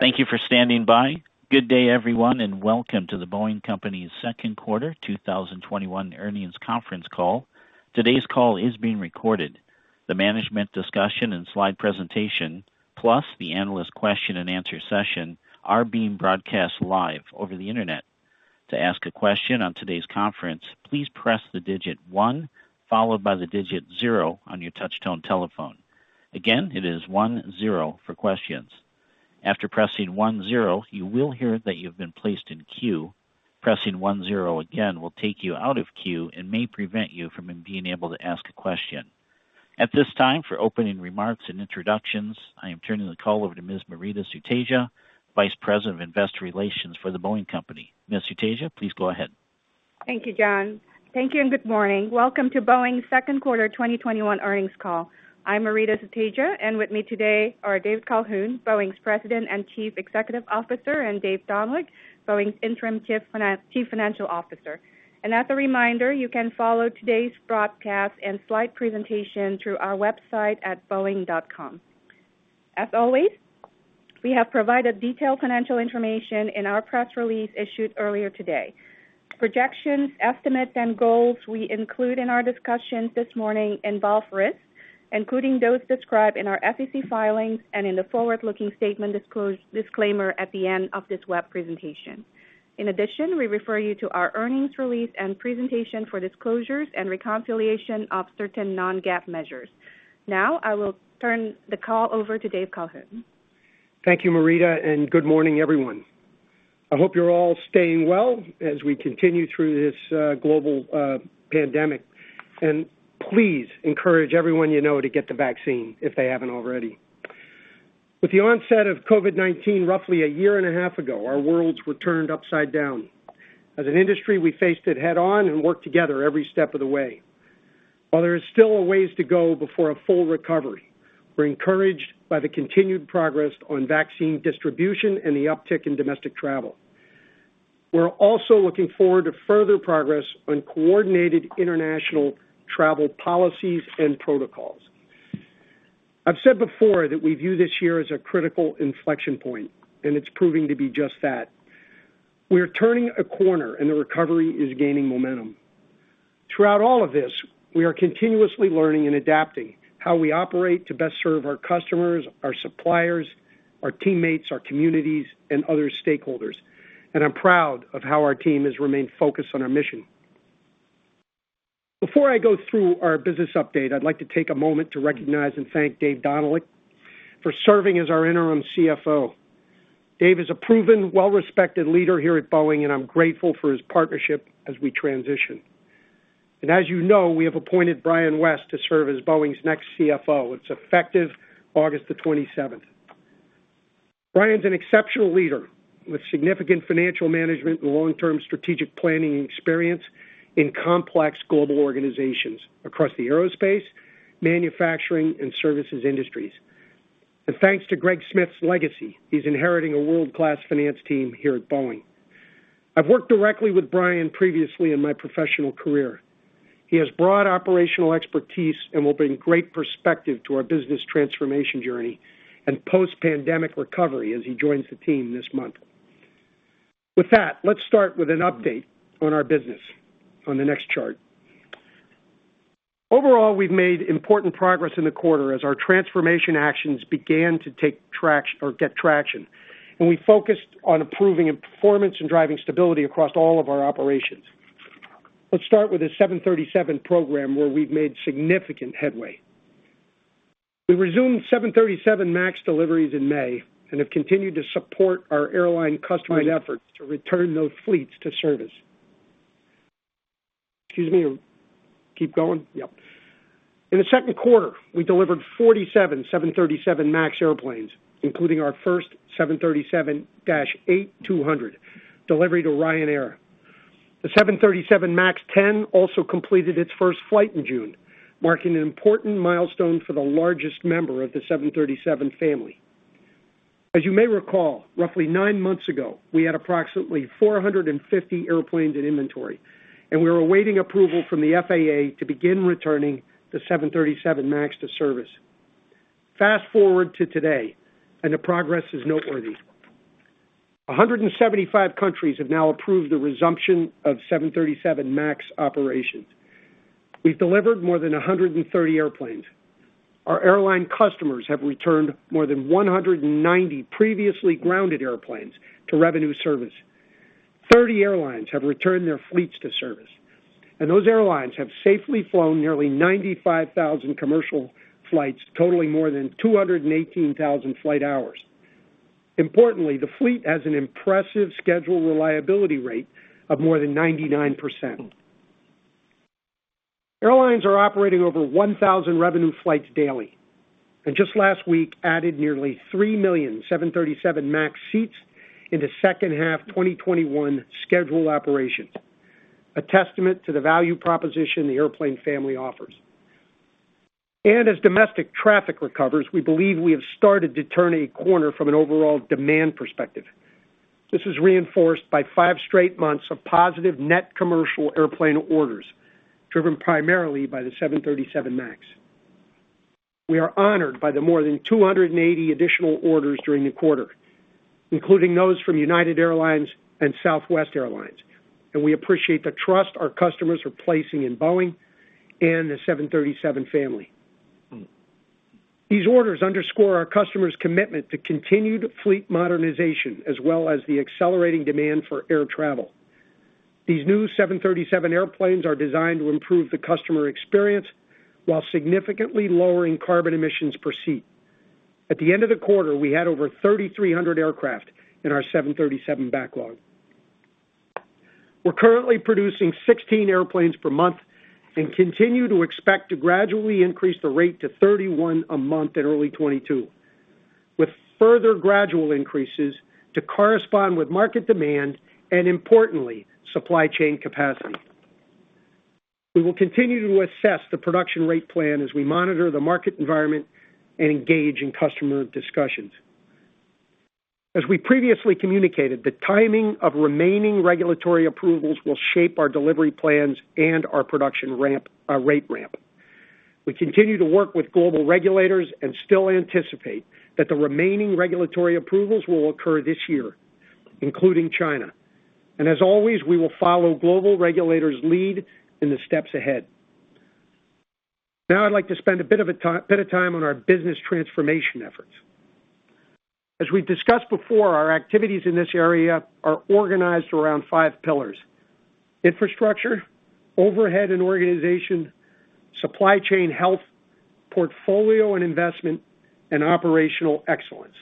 Thank you for standing by. Good day, everyone, and welcome to The Boeing Company's second quarter 2021 earnings conference call. Today's call is being recorded. The management discussion and slide presentation, plus the analyst question and answer session, are being broadcast live over the internet. To ask a question on today's conference, please press the digit one, followed by the digit zero on your touch-tone telephone. Again, it is one zero for questions. After pressing one zero, you will hear that you've been placed in queue. Pressing one zero again will take you out of queue and may prevent you from being able to ask a question. At this time, for opening remarks and introductions, I am turning the call over to Ms. Maurita Sutedja, Vice President of Investor Relations for The Boeing Company. Ms. Sutedja, please go ahead. Thank you, John. Thank you, and good morning. Welcome to Boeing's second quarter 2021 earnings call. I'm Maurita Sutedja, and with me today are Dave Calhoun, Boeing's President and Chief Executive Officer, and Dave Dohnalek, Boeing's Interim Chief Financial Officer. As a reminder, you can follow today's broadcast and slide presentation through our website at boeing.com. As always, we have provided detailed financial information in our press release issued earlier today. Projections, estimates, and goals we include in our discussions this morning involve risks, including those described in our SEC filings and in the forward-looking statement disclaimer at the end of this web presentation. In addition, we refer you to our earnings release and presentation for disclosures and reconciliation of certain non-GAAP measures. Now, I will turn the call over to Dave Calhoun. Thank you, Maurita, and good morning, everyone. I hope you're all staying well as we continue through this global pandemic. Please encourage everyone you know to get the vaccine if they haven't already. With the onset of COVID-19 roughly a year and a half ago, our worlds were turned upside down. As an industry, we faced it head-on and worked together every step of the way. While there is still a ways to go before a full recovery, we're encouraged by the continued progress on vaccine distribution and the uptick in domestic travel. We're also looking forward to further progress on coordinated international travel policies and protocols. I've said before that we view this year as a critical inflection point, and it's proving to be just that. We are turning a corner and the recovery is gaining momentum. Throughout all of this, we are continuously learning and adapting how we operate to best serve our customers, our suppliers, our teammates, our communities, and other stakeholders. I'm proud of how our team has remained focused on our mission. Before I go through our business update, I'd like to take a moment to recognize and thank Dave Dohnalek for serving as our Interim Chief Financial Officer. Dave is a proven, well-respected leader here at Boeing, and I'm grateful for his partnership as we transition. As you know, we have appointed Brian West to serve as Boeing's next Chief Financial Officer. It's effective August 27th. Brian's an exceptional leader with significant financial management and long-term strategic planning experience in complex global organizations across the aerospace, manufacturing, and services industries. Thanks to Greg Smith's legacy, he's inheriting a world-class finance team here at Boeing. I've worked directly with Brian previously in my professional career. He has broad operational expertise and will bring great perspective to our business transformation journey and post-pandemic recovery as he joins the team this month. Let's start with an update on our business on the next chart. We've made important progress in the quarter as our transformation actions began to get traction, and we focused on improving performance and driving stability across all of our operations. Let's start with the 737 program, where we've made significant headway. We resumed 737 MAX deliveries in May and have continued to support our airline customers' efforts to return those fleets to service. Excuse me. Keep going? Yep. In the second quarter, we delivered 47 737 MAX airplanes, including our first 737-8200 delivery to Ryanair. The 737 MAX 10 also completed its first flight in June, marking an important milestone for the largest member of the 737 family. As you may recall, roughly nine months ago, we had approximately 450 airplanes in inventory, and we were awaiting approval from the FAA to begin returning the 737 MAX to service. Fast-forward to today, and the progress is noteworthy. 175 countries have now approved the resumption of 737 MAX operations. We've delivered more than 130 airplanes. Our airline customers have returned more than 190 previously grounded airplanes to revenue service. 30 airlines have returned their fleets to service, and those airlines have safely flown nearly 95,000 commercial flights, totaling more than 218,000 flight hours. Importantly, the fleet has an impressive schedule reliability rate of more than 99%. Airlines are operating over 1,000 revenue flights daily and just last week added nearly 3 million 737 MAX seats into second half 2021 schedule operations. A testament to the value proposition the airplane family offers. As domestic traffic recovers, we believe we have started to turn a corner from an overall demand perspective. This is reinforced by five straight months of positive net commercial airplane orders, driven primarily by the 737 MAX. We are honored by the more than 280 additional orders during the quarter, including those from United Airlines and Southwest Airlines. We appreciate the trust our customers are placing in Boeing and the 737 family. These orders underscore our customers' commitment to continued fleet modernization, as well as the accelerating demand for air travel. These new 737 airplanes are designed to improve the customer experience while significantly lowering carbon emissions per seat. At the end of the quarter, we had over 3,300 aircraft in our 737 backlog. We are currently producing 16 airplanes per month and continue to expect to gradually increase the rate to 31 a month in early 2022, with further gradual increases to correspond with market demand and importantly, supply chain capacity. We will continue to assess the production rate plan as we monitor the market environment and engage in customer discussions. As we previously communicated, the timing of remaining regulatory approvals will shape our delivery plans and our production rate ramp. We continue to work with global regulators and still anticipate that the remaining regulatory approvals will occur this year, including China. As always, we will follow global regulators' lead in the steps ahead. Now I would like to spend a bit of time on our business transformation efforts. As we've discussed before, our activities in this area are organized around five pillars. Infrastructure, overhead and organization, supply chain health, portfolio and investment, and operational excellence.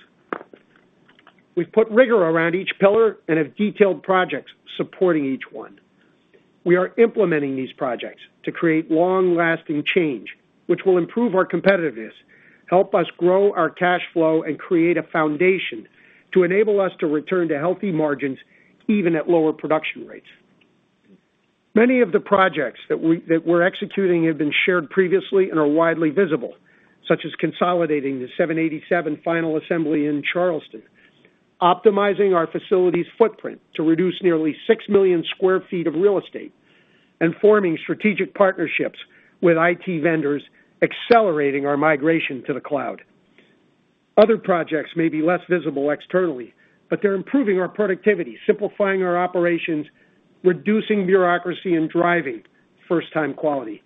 We've put rigor around each pillar and have detailed projects supporting each one. We are implementing these projects to create long-lasting change, which will improve our competitiveness, help us grow our cash flow, and create a foundation to enable us to return to healthy margins, even at lower production rates. Many of the projects that we're executing have been shared previously and are widely visible, such as consolidating the 787 final assembly in Charleston, optimizing our facilities footprint to reduce nearly 6 million sq ft of real estate, and forming strategic partnerships with IT vendors, accelerating our migration to the cloud. Other projects may be less visible externally, but they're improving our productivity, simplifying our operations, reducing bureaucracy, and driving first-time quality.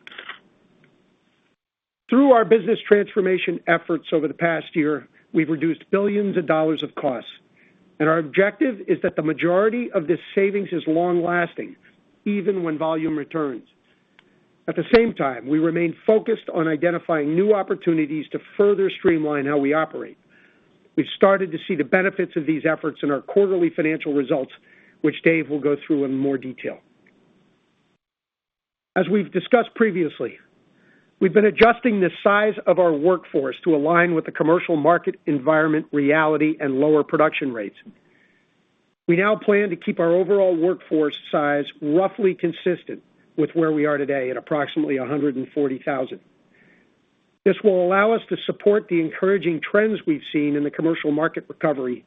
Through our business transformation efforts over the past year, we've reduced billions of dollars of costs, and our objective is that the majority of this savings is long-lasting, even when volume returns. At the same time, we remain focused on identifying new opportunities to further streamline how we operate. We've started to see the benefits of these efforts in our quarterly financial results, which Dave will go through in more detail. As we've discussed previously, we've been adjusting the size of our workforce to align with the commercial market environment reality and lower production rates. We now plan to keep our overall workforce size roughly consistent with where we are today at approximately 140,000. This will allow us to support the encouraging trends we've seen in the commercial market recovery,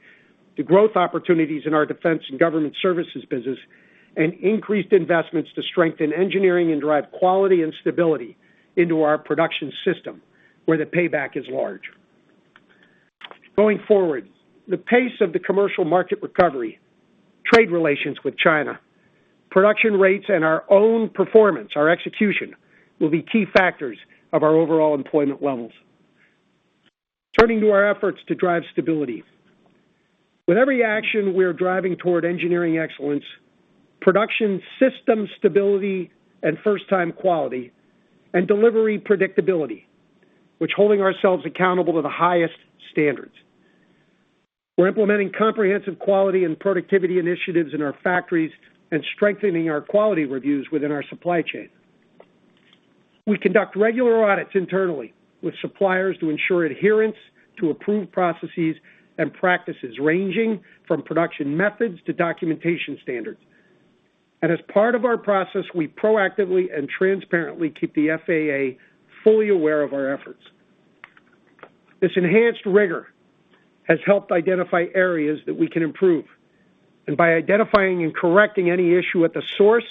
the growth opportunities in our defense and government services business, and increased investments to strengthen engineering and drive quality and stability into our production system where the payback is large. Going forward, the pace of the commercial market recovery, trade relations with China, production rates, and our own performance, our execution, will be key factors of our overall employment levels. Turning to our efforts to drive stability. With every action we are driving toward engineering excellence, production system stability and first-time quality, and delivery predictability, which holding ourselves accountable to the highest standards. We're implementing comprehensive quality and productivity initiatives in our factories and strengthening our quality reviews within our supply chain. We conduct regular audits internally with suppliers to ensure adherence to approved processes and practices, ranging from production methods to documentation standards. As part of our process, we proactively and transparently keep the FAA fully aware of our efforts. This enhanced rigor has helped identify areas that we can improve. By identifying and correcting any issue at the source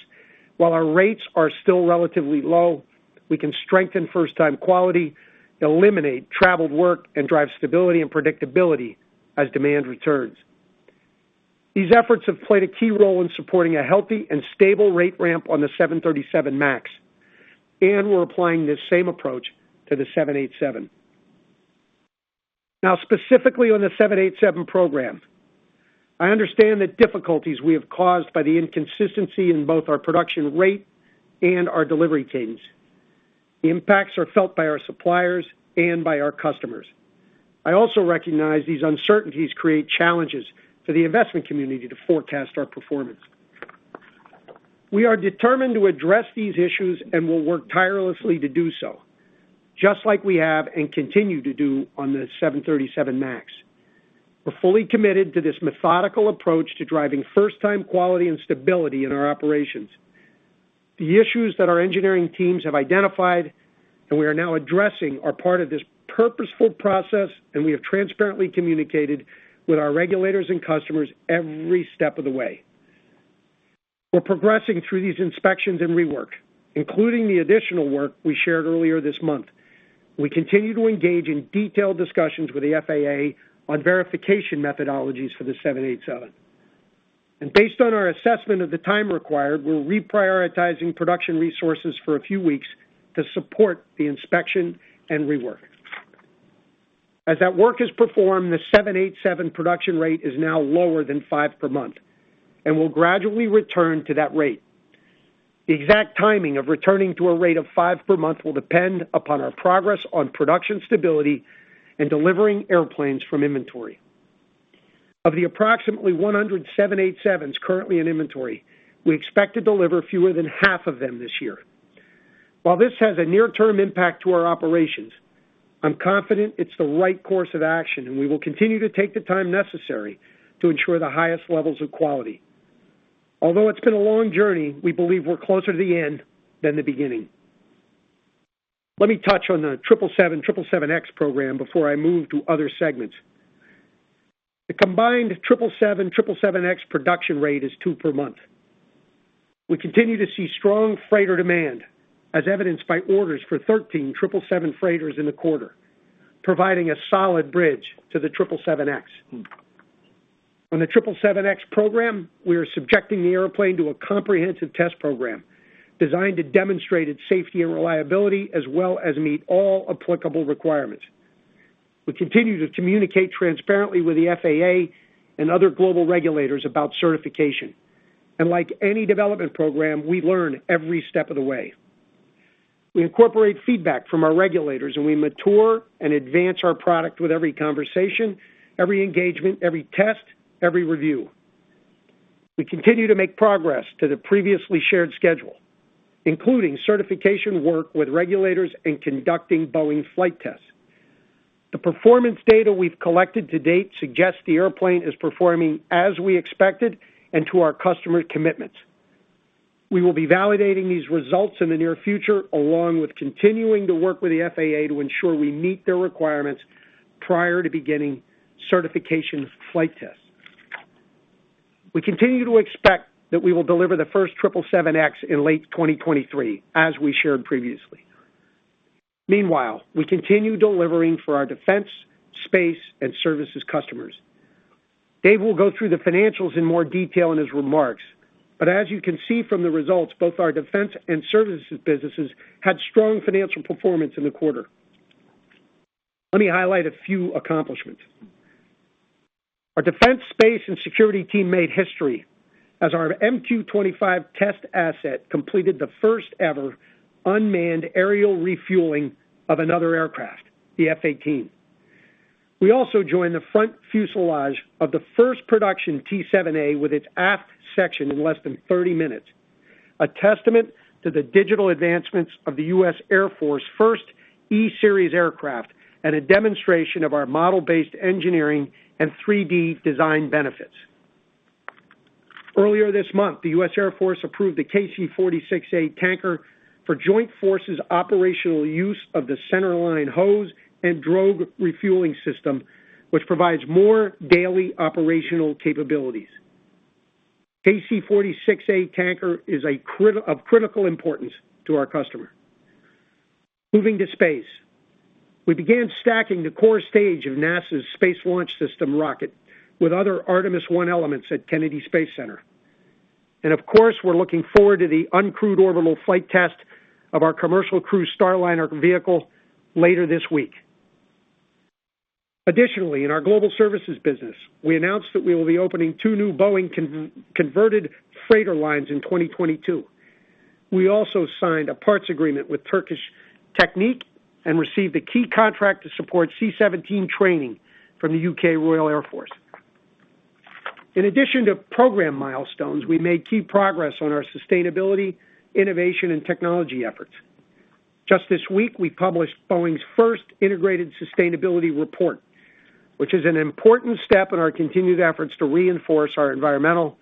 while our rates are still relatively low, we can strengthen first-time quality, eliminate traveled work, and drive stability and predictability as demand returns. These efforts have played a key role in supporting a healthy and stable rate ramp on the 737 MAX, and we're applying this same approach to the 787. Now, specifically on the 787 program, I understand the difficulties we have caused by the inconsistency in both our production rate and our delivery teams. The impacts are felt by our suppliers and by our customers. I also recognize these uncertainties create challenges for the investment community to forecast our performance. We are determined to address these issues and will work tirelessly to do so, just like we have and continue to do on the 737 MAX. We're fully committed to this methodical approach to driving first-time quality and stability in our operations. The issues that our engineering teams have identified and we are now addressing are part of this purposeful process, and we have transparently communicated with our regulators and customers every step of the way. We're progressing through these inspections and rework, including the additional work we shared earlier this month. We continue to engage in detailed discussions with the FAA on verification methodologies for the 787. Based on our assessment of the time required, we're reprioritizing production resources for a few weeks to support the inspection and rework. As that work is performed, the 787 production rate is now lower than five per month and will gradually return to that rate. The exact timing of returning to a rate of five per month will depend upon our progress on production stability and delivering airplanes from inventory. Of the approximately 100 787s currently in inventory, we expect to deliver fewer than half of them this year. While this has a near-term impact to our operations, I'm confident it's the right course of action, and we will continue to take the time necessary to ensure the highest levels of quality. Although it's been a long journey, we believe we're closer to the end than the beginning. Let me touch on the 777, 777X program before I move to other segments. The combined 777, 777X production rate is two per month. We continue to see strong freighter demand, as evidenced by orders for 13 777 freighters in the quarter, providing a solid bridge to the 777X. On the 777X program, we are subjecting the airplane to a comprehensive test program designed to demonstrate its safety and reliability, as well as meet all applicable requirements. We continue to communicate transparently with the FAA and other global regulators about certification. Like any development program, we learn every step of the way. We incorporate feedback from our regulators, and we mature and advance our product with every conversation, every engagement, every test, every review. We continue to make progress to the previously shared schedule, including certification work with regulators and conducting Boeing flight tests. The performance data we've collected to date suggests the airplane is performing as we expected and to our customer commitments. We will be validating these results in the near future, along with continuing to work with the FAA to ensure we meet their requirements prior to beginning certification flight tests. We continue to expect that we will deliver the first 777X in late 2023, as we shared previously. Meanwhile, we continue delivering for our defense, space, and services customers. Dave will go through the financials in more detail in his remarks. As you can see from the results, both our defense and services businesses had strong financial performance in the quarter. Let me highlight a few accomplishments. Our Defense, Space & Security team made history as our MQ-25 test asset completed the first-ever unmanned aerial refueling of another aircraft, the F/A-18. We also joined the front fuselage of the first production T-7A with its aft section in less than 30 minutes, a testament to the digital advancements of the U.S. Air Force first eSeries aircraft, and a demonstration of our model-based engineering and 3D design benefits. Earlier this month, the U.S. Air Force approved the KC-46A tanker for joint forces operational use of the centerline hose and drogue refueling system, which provides more daily operational capabilities. KC-46A tanker is of critical importance to our customer. Moving to space. We began stacking the core stage of NASA's Space Launch System rocket with other Artemis I elements at Kennedy Space Center. Of course, we're looking forward to the uncrewed orbital flight test of our commercial crew Starliner vehicle later this week. In our Global Services business, we announced that we will be opening two new Boeing converted freighter lines in 2022. We also signed a parts agreement with Turkish Technic and received a key contract to support C-17 training from the U.K. Royal Air Force. In addition to program milestones, we made key progress on our sustainability, innovation, and technology efforts. Just this week, we published Boeing's first integrated sustainability report, which is an important step in our continued efforts to reinforce our environmental,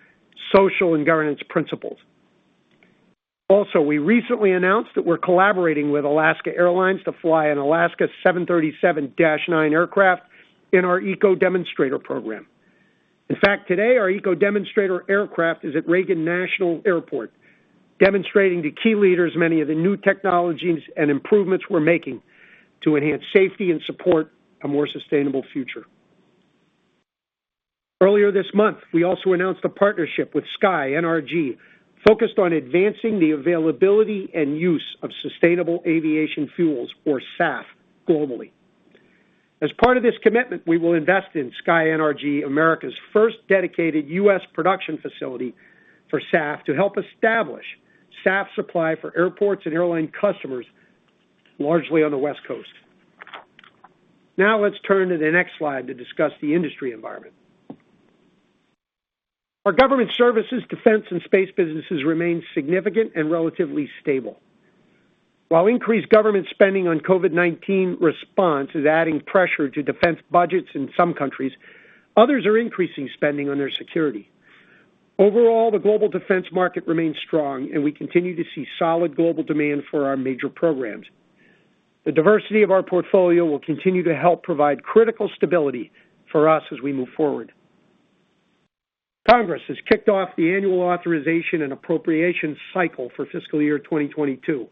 social, and governance principles. We recently announced that we're collaborating with Alaska Airlines to fly an Alaska 737-9 aircraft in our ecoDemonstrator program. Today, our ecoDemonstrator aircraft is at Reagan National Airport, demonstrating to key leaders many of the new technologies and improvements we're making to enhance safety and support a more sustainable future. Earlier this month, we also announced a partnership with SkyNRG, focused on advancing the availability and use of sustainable aviation fuels, or SAF, globally. As part of this commitment, we will invest in SkyNRG Americas' first dedicated U.S. production facility for SAF, to help establish SAF supply for airports and airline customers, largely on the West Coast. Let's turn to the next slide to discuss the industry environment. Our government services, defense, and space businesses remain significant and relatively stable. While increased government spending on COVID-19 response is adding pressure to defense budgets in some countries, others are increasing spending on their security. The global defense market remains strong, and we continue to see solid global demand for our major programs. The diversity of our portfolio will continue to help provide critical stability for us as we move forward. Congress has kicked off the annual authorization and appropriation cycle for fiscal year 2022.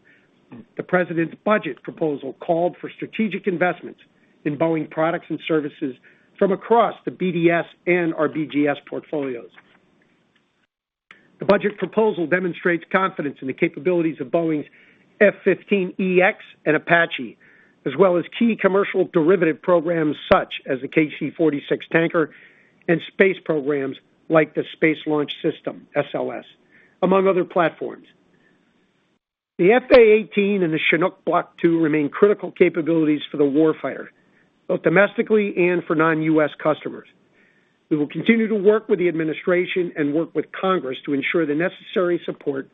The president's budget proposal called for strategic investments in Boeing products and services from across the BDS and our BGS portfolios. The budget proposal demonstrates confidence in the capabilities of Boeing's F-15EX and Apache, as well as key commercial derivative programs such as the KC-46 tanker and space programs like the Space Launch System, SLS, among other platforms. The F/A-18 and the Chinook Block II remain critical capabilities for the war fighter, both domestically and for non-U.S. customers. We will continue to work with the administration and work with Congress to ensure the necessary support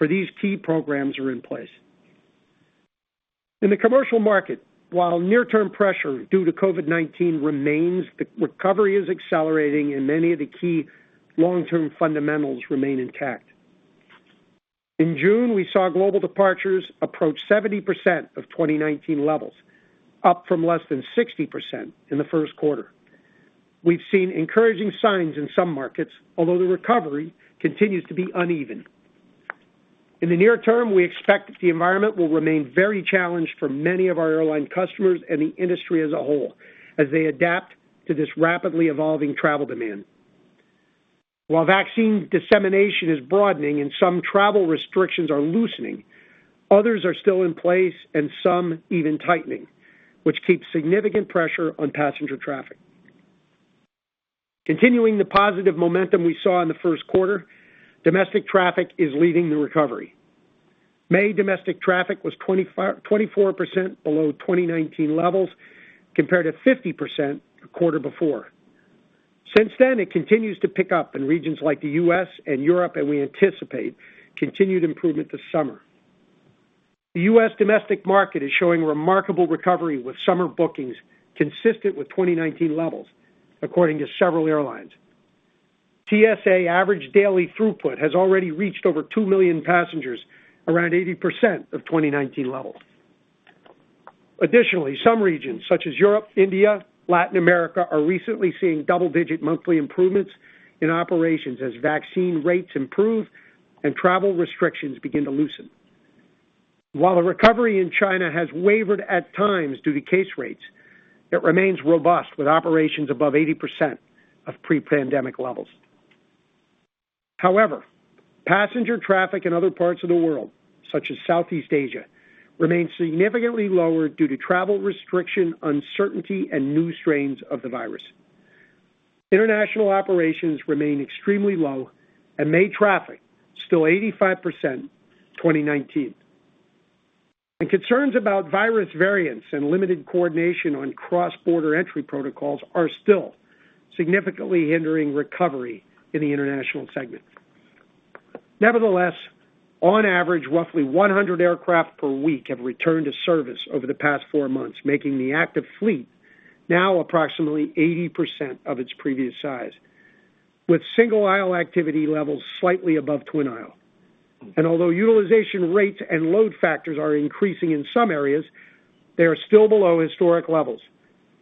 for these key programs are in place. In the commercial market, while near-term pressure due to COVID-19 remains, the recovery is accelerating and many of the key long-term fundamentals remain intact. In June, we saw global departures approach 70% of 2019 levels, up from less than 60% in the first quarter. We've seen encouraging signs in some markets, although the recovery continues to be uneven. In the near term, we expect the environment will remain very challenged for many of our airline customers and the industry as a whole as they adapt to this rapidly evolving travel demand. While vaccine dissemination is broadening and some travel restrictions are loosening, others are still in place and some even tightening, which keeps significant pressure on passenger traffic. Continuing the positive momentum we saw in the first quarter, domestic traffic is leading the recovery. May domestic traffic was 24% below 2019 levels, compared to 50% the quarter before. Since then, it continues to pick up in regions like the U.S. and Europe, and we anticipate continued improvement this summer. The U.S. domestic market is showing remarkable recovery with summer bookings consistent with 2019 levels, according to several airlines. TSA average daily throughput has already reached over 2 million passengers, around 80% of 2019 levels. Some regions such as Europe, India, Latin America, are recently seeing double-digit monthly improvements in operations as vaccine rates improve and travel restrictions begin to loosen. The recovery in China has wavered at times due to case rates, it remains robust with operations above 80% of pre-pandemic levels. Passenger traffic in other parts of the world, such as Southeast Asia, remains significantly lower due to travel restriction, uncertainty, and new strains of the virus. International operations remain extremely low, May traffic still 85% 2019. Concerns about virus variants and limited coordination on cross-border entry protocols are still significantly hindering recovery in the international segment. Nevertheless, on average, roughly 100 aircraft per week have returned to service over the past four months, making the active fleet now approximately 80% of its previous size, with single-aisle activity levels slightly above twin-aisle. Although utilization rates and load factors are increasing in some areas, they are still below historic levels,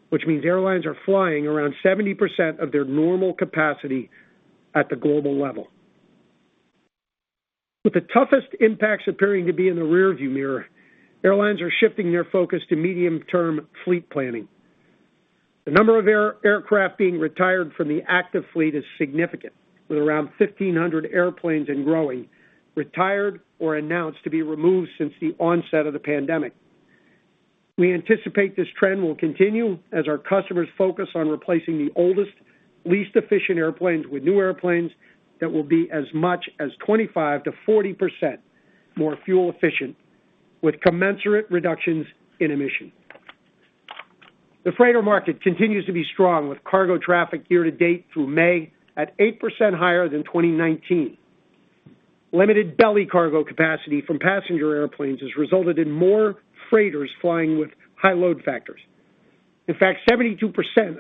which means airlines are flying around 70% of their normal capacity at the global level. With the toughest impacts appearing to be in the rearview mirror, airlines are shifting their focus to medium-term fleet planning. The number of aircraft being retired from the active fleet is significant, with around 1,500 airplanes and growing retired or announced to be removed since the onset of the pandemic. We anticipate this trend will continue as our customers focus on replacing the oldest, least efficient airplanes with new airplanes that will be as much as 25%-40% more fuel efficient, with commensurate reductions in emission. The freighter market continues to be strong, with cargo traffic year-to-date through May at 8% higher than 2019. Limited belly cargo capacity from passenger airplanes has resulted in more freighters flying with high load factors. In fact, 72%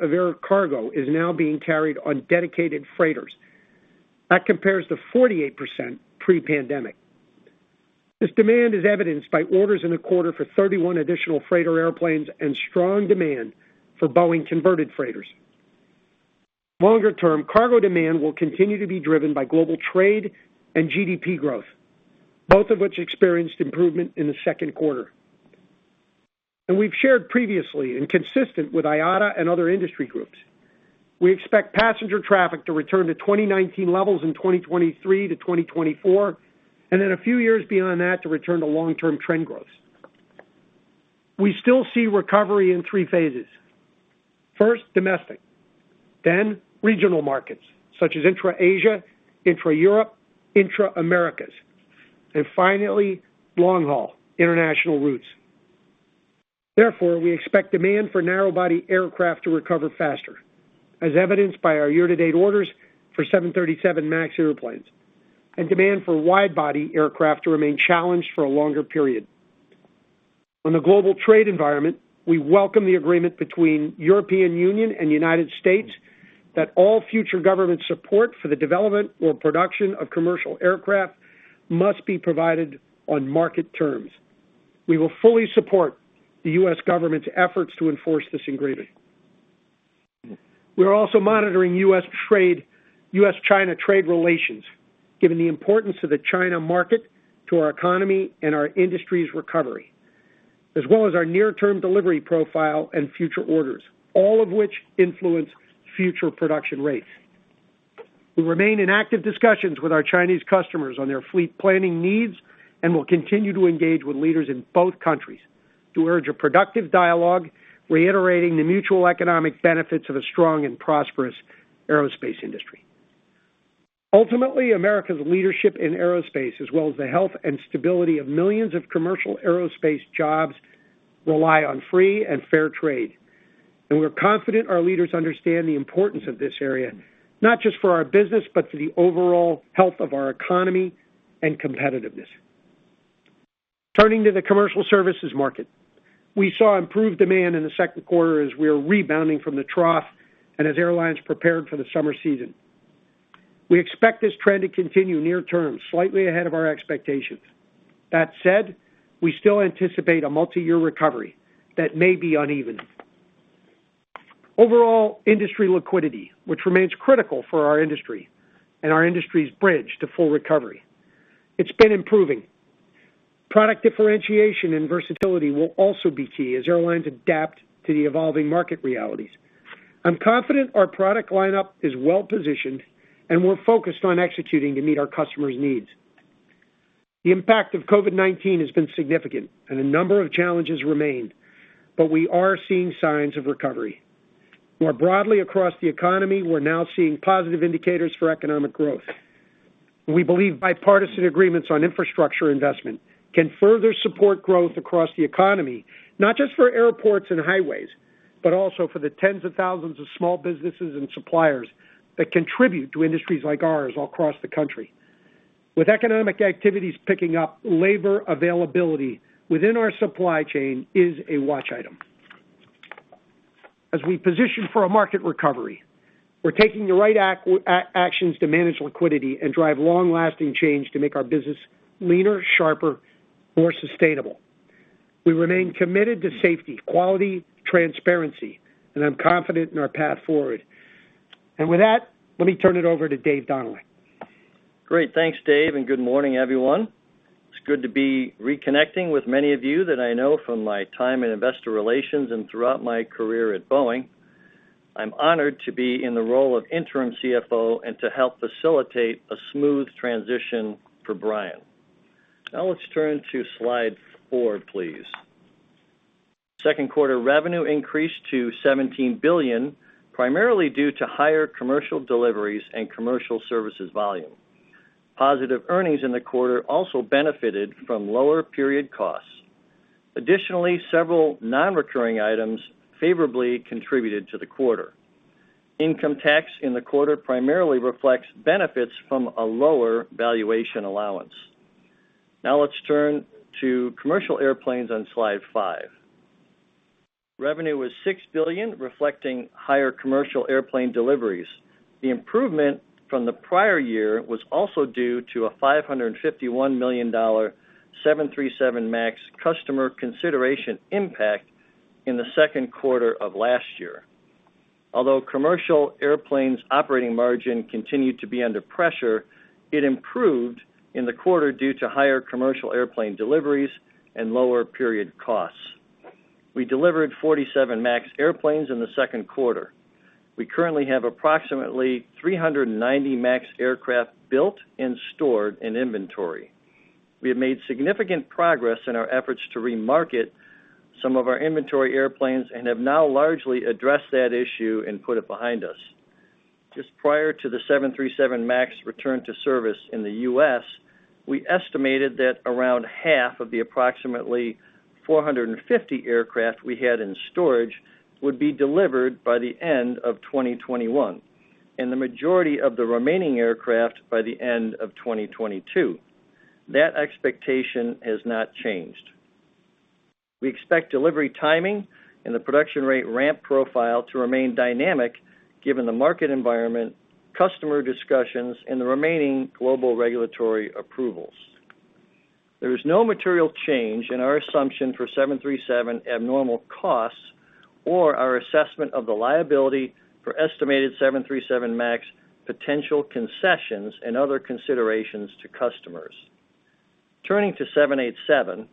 of air cargo is now being carried on dedicated freighters. That compares to 48% pre-pandemic. This demand is evidenced by orders in the quarter for 31 additional freighter airplanes and strong demand for Boeing converted freighters. Longer-term, cargo demand will continue to be driven by global trade and GDP growth, both of which experienced improvement in the second quarter. We've shared previously and consistent with IATA and other industry groups, we expect passenger traffic to return to 2019 levels in 2023-2024, and then a few years beyond that to return to long-term trend growth. We still see recovery in three phases. First, domestic. Regional markets, such as intra-Asia, intra-Europe, intra-Americas. Finally, long-haul international routes. Therefore, we expect demand for narrow-body aircraft to recover faster, as evidenced by our year-to-date orders for 737 MAX airplanes, and demand for wide-body aircraft to remain challenged for a longer period. On the global trade environment, we welcome the agreement between European Union and United States that all future government support for the development or production of commercial aircraft must be provided on market terms. We will fully support the U.S. government's efforts to enforce this agreement. We're also monitoring U.S.-China trade relations, given the importance of the China market to our economy and our industry's recovery, as well as our near-term delivery profile and future orders, all of which influence future production rates. We remain in active discussions with our Chinese customers on their fleet planning needs and will continue to engage with leaders in both countries to urge a productive dialogue, reiterating the mutual economic benefits of a strong and prosperous aerospace industry. Ultimately, America's leadership in aerospace, as well as the health and stability of millions of commercial aerospace jobs, rely on free and fair trade. We're confident our leaders understand the importance of this area, not just for our business, but for the overall health of our economy and competitiveness. Turning to the commercial services market. We saw improved demand in the second quarter as we are rebounding from the trough and as airlines prepared for the summer season. We expect this trend to continue near term, slightly ahead of our expectations. That said, we still anticipate a multi-year recovery that may be uneven. Overall industry liquidity, which remains critical for our industry and our industry's bridge to full recovery, it's been improving. Product differentiation and versatility will also be key as airlines adapt to the evolving market realities. I'm confident our product lineup is well-positioned, and we're focused on executing to meet our customers' needs. The impact of COVID-19 has been significant, and a number of challenges remain, but we are seeing signs of recovery. More broadly across the economy, we're now seeing positive indicators for economic growth. We believe bipartisan agreements on infrastructure investment can further support growth across the economy, not just for airports and highways, but also for the tens of thousands of small businesses and suppliers that contribute to industries like ours all across the country. With economic activities picking up, labor availability within our supply chain is a watch item. As we position for a market recovery, we're taking the right actions to manage liquidity and drive long-lasting change to make our business leaner, sharper, more sustainable. We remain committed to safety, quality, transparency, and I'm confident in our path forward. With that, let me turn it over to Dave Dohnalek. Great. Thanks, Dave. Good morning, everyone. It's good to be reconnecting with many of you that I know from my time in Investor Relations and throughout my career at Boeing. I'm honored to be in the role of Interim CFO and to help facilitate a smooth transition for Brian. Let's turn to slide four, please. Second quarter revenue increased to $17 billion, primarily due to higher commercial deliveries and commercial services volume. Positive earnings in the quarter also benefited from lower period costs. Several non-recurring items favorably contributed to the quarter. Income tax in the quarter primarily reflects benefits from a lower valuation allowance. Let's turn to Commercial Airplanes on slide five. Revenue was $6 billion, reflecting higher Commercial Airplane deliveries. The improvement from the prior year was also due to a $551 million 737 MAX customer consideration impact in the second quarter of last year. Commercial airplanes' operating margin continued to be under pressure, it improved in the quarter due to higher commercial airplane deliveries and lower period costs. We delivered 47 MAX airplanes in the second quarter. We currently have approximately 390 MAX aircraft built and stored in inventory. We have made significant progress in our efforts to remarket some of our inventory airplanes and have now largely addressed that issue and put it behind us. Just prior to the 737 MAX return to service in the U.S., we estimated that around half of the approximately 450 aircraft we had in storage would be delivered by the end of 2021, and the majority of the remaining aircraft by the end of 2022. That expectation has not changed. We expect delivery timing and the production rate ramp profile to remain dynamic given the market environment, customer discussions, and the remaining global regulatory approvals. There is no material change in our assumption for 737 abnormal costs or our assessment of the liability for estimated 737 MAX potential concessions and other considerations to customers. Turning to 787,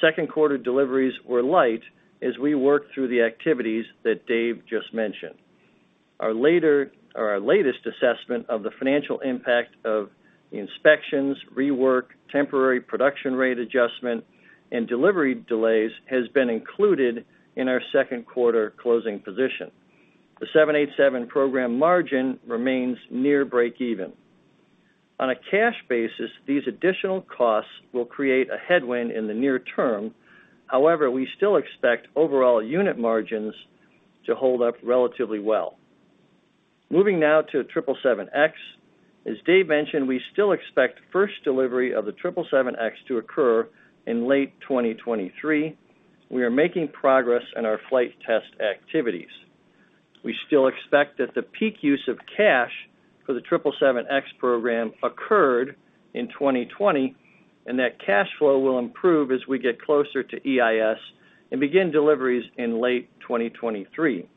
second quarter deliveries were light as we worked through the activities that Dave just mentioned. Our latest assessment of the financial impact of the inspections, rework, temporary production rate adjustment, and delivery delays has been included in our second quarter closing position. The 787 program margin remains near breakeven. On a cash basis, these additional costs will create a headwind in the near term. However, we still expect overall unit margins to hold up relatively well. Moving now to 777X. As Dave mentioned, we still expect first delivery of the 777X to occur in late 2023. We are making progress on our flight test activities. We still expect that the peak use of cash for the 777X program occurred in 2020, and that cash flow will improve as we get closer to EIS and begin deliveries in late 2023.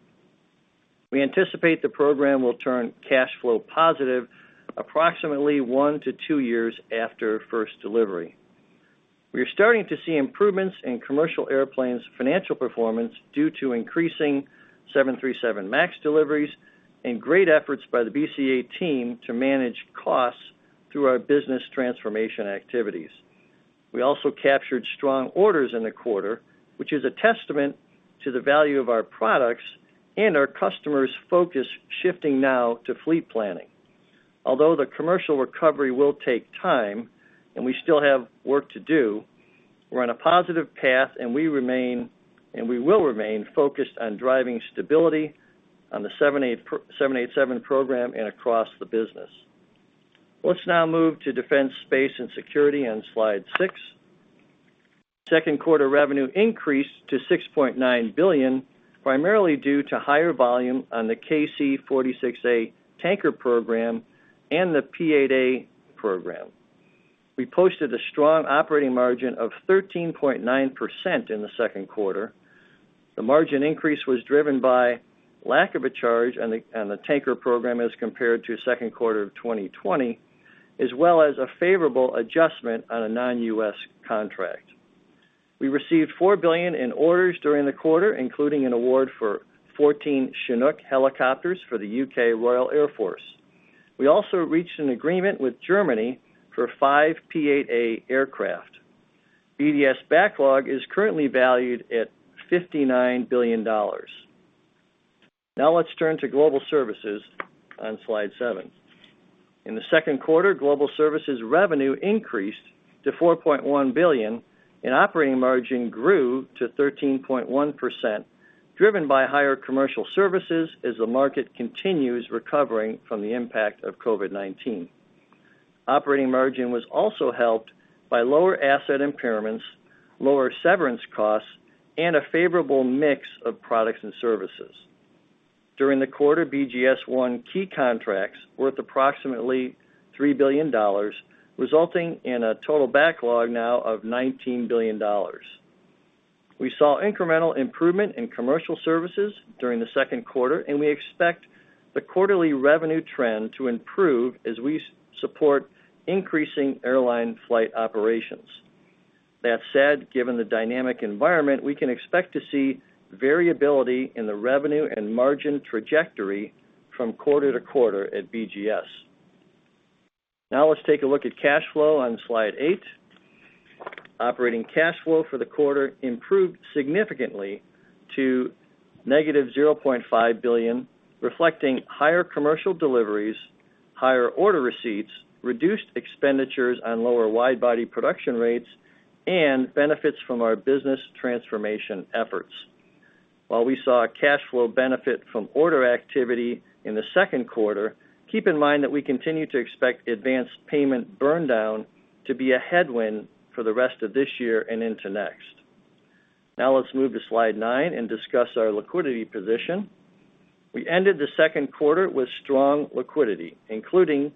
We anticipate the program will turn cash flow positive approximately one to two years after first delivery. We are starting to see improvements in commercial airplanes' financial performance due to increasing 737 MAX deliveries and great efforts by the BCA team to manage costs through our business transformation activities. We also captured strong orders in the quarter, which is a testament to the value of our products and our customers' focus shifting now to fleet planning. Although the commercial recovery will take time and we still have work to do, we're on a positive path, and we will remain focused on driving stability on the 787 program and across the business. Let's now move to Defense, Space & Security on slide six. Second quarter revenue increased to $6.9 billion, primarily due to higher volume on the KC-46A tanker program and the P-8A program. We posted a strong operating margin of 13.9% in the second quarter. The margin increase was driven by lack of a charge on the tanker program as compared to second quarter of 2020, as well as a favorable adjustment on a non-U.S. contract. We received $4 billion in orders during the quarter, including an award for 14 Chinook helicopters for the U.K. Royal Air Force. We also reached an agreement with Germany for five P-8A aircraft. BDS backlog is currently valued at $59 billion. Let's turn to Global Services on slide seven. In the second quarter, Global Services revenue increased to $4.1 billion, and operating margin grew to 13.1%, driven by higher commercial services as the market continues recovering from the impact of COVID-19. Operating margin was also helped by lower asset impairments, lower severance costs, and a favorable mix of products and services. During the quarter, BGS won key contracts worth approximately $3 billion, resulting in a total backlog now of $19 billion. We saw incremental improvement in commercial services during the second quarter, and we expect the quarterly revenue trend to improve as we support increasing airline flight operations. That said, given the dynamic environment, we can expect to see variability in the revenue and margin trajectory from quarter-to-quarter at BGS. Now let's take a look at cash flow on slide eight. Operating cash flow for the quarter improved significantly to -$0.5 billion, reflecting higher commercial deliveries, higher order receipts, reduced expenditures on lower wide-body production rates, and benefits from our business transformation efforts. While we saw a cash flow benefit from order activity in the second quarter, keep in mind that we continue to expect advanced payment burn-down to be a headwind for the rest of this year and into next. Now let's move to slide nine and discuss our liquidity position. We ended the second quarter with strong liquidity, including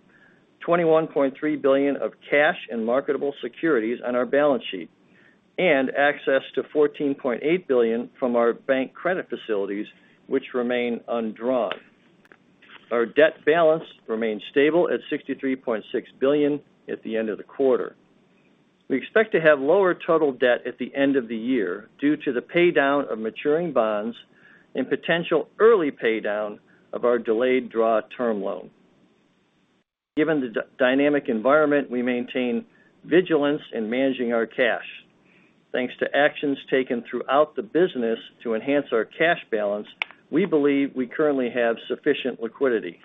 $21.3 billion of cash and marketable securities on our balance sheet, and access to $14.8 billion from our bank credit facilities, which remain undrawn. Our debt balance remained stable at $63.6 billion at the end of the quarter. We expect to have lower total debt at the end of the year due to the paydown of maturing bonds and potential early paydown of our delayed draw term loan. Given the dynamic environment, we maintain vigilance in managing our cash. Thanks to actions taken throughout the business to enhance our cash balance, we believe we currently have sufficient liquidity.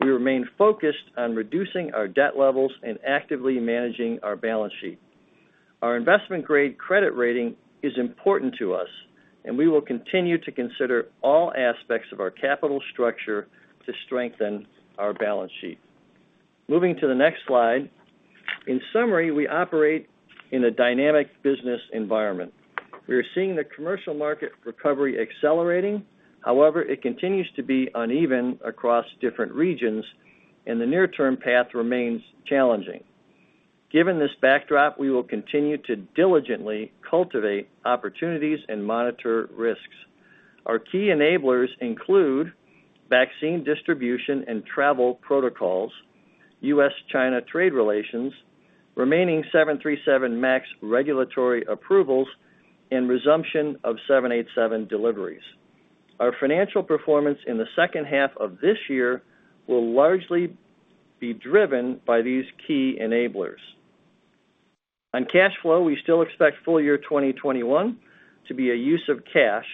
We remain focused on reducing our debt levels and actively managing our balance sheet. Our investment-grade credit rating is important to us, and we will continue to consider all aspects of our capital structure to strengthen our balance sheet. Moving to the next slide. In summary, we operate in a dynamic business environment. We are seeing the commercial market recovery accelerating. It continues to be uneven across different regions, and the near-term path remains challenging. Given this backdrop, we will continue to diligently cultivate opportunities and monitor risks. Our key enablers include vaccine distribution and travel protocols, U.S.-China trade relations, remaining 737 MAX regulatory approvals, and resumption of 787 deliveries. Our financial performance in the second half of this year will largely be driven by these key enablers. On cash flow, we still expect full-year 2021 to be a use of cash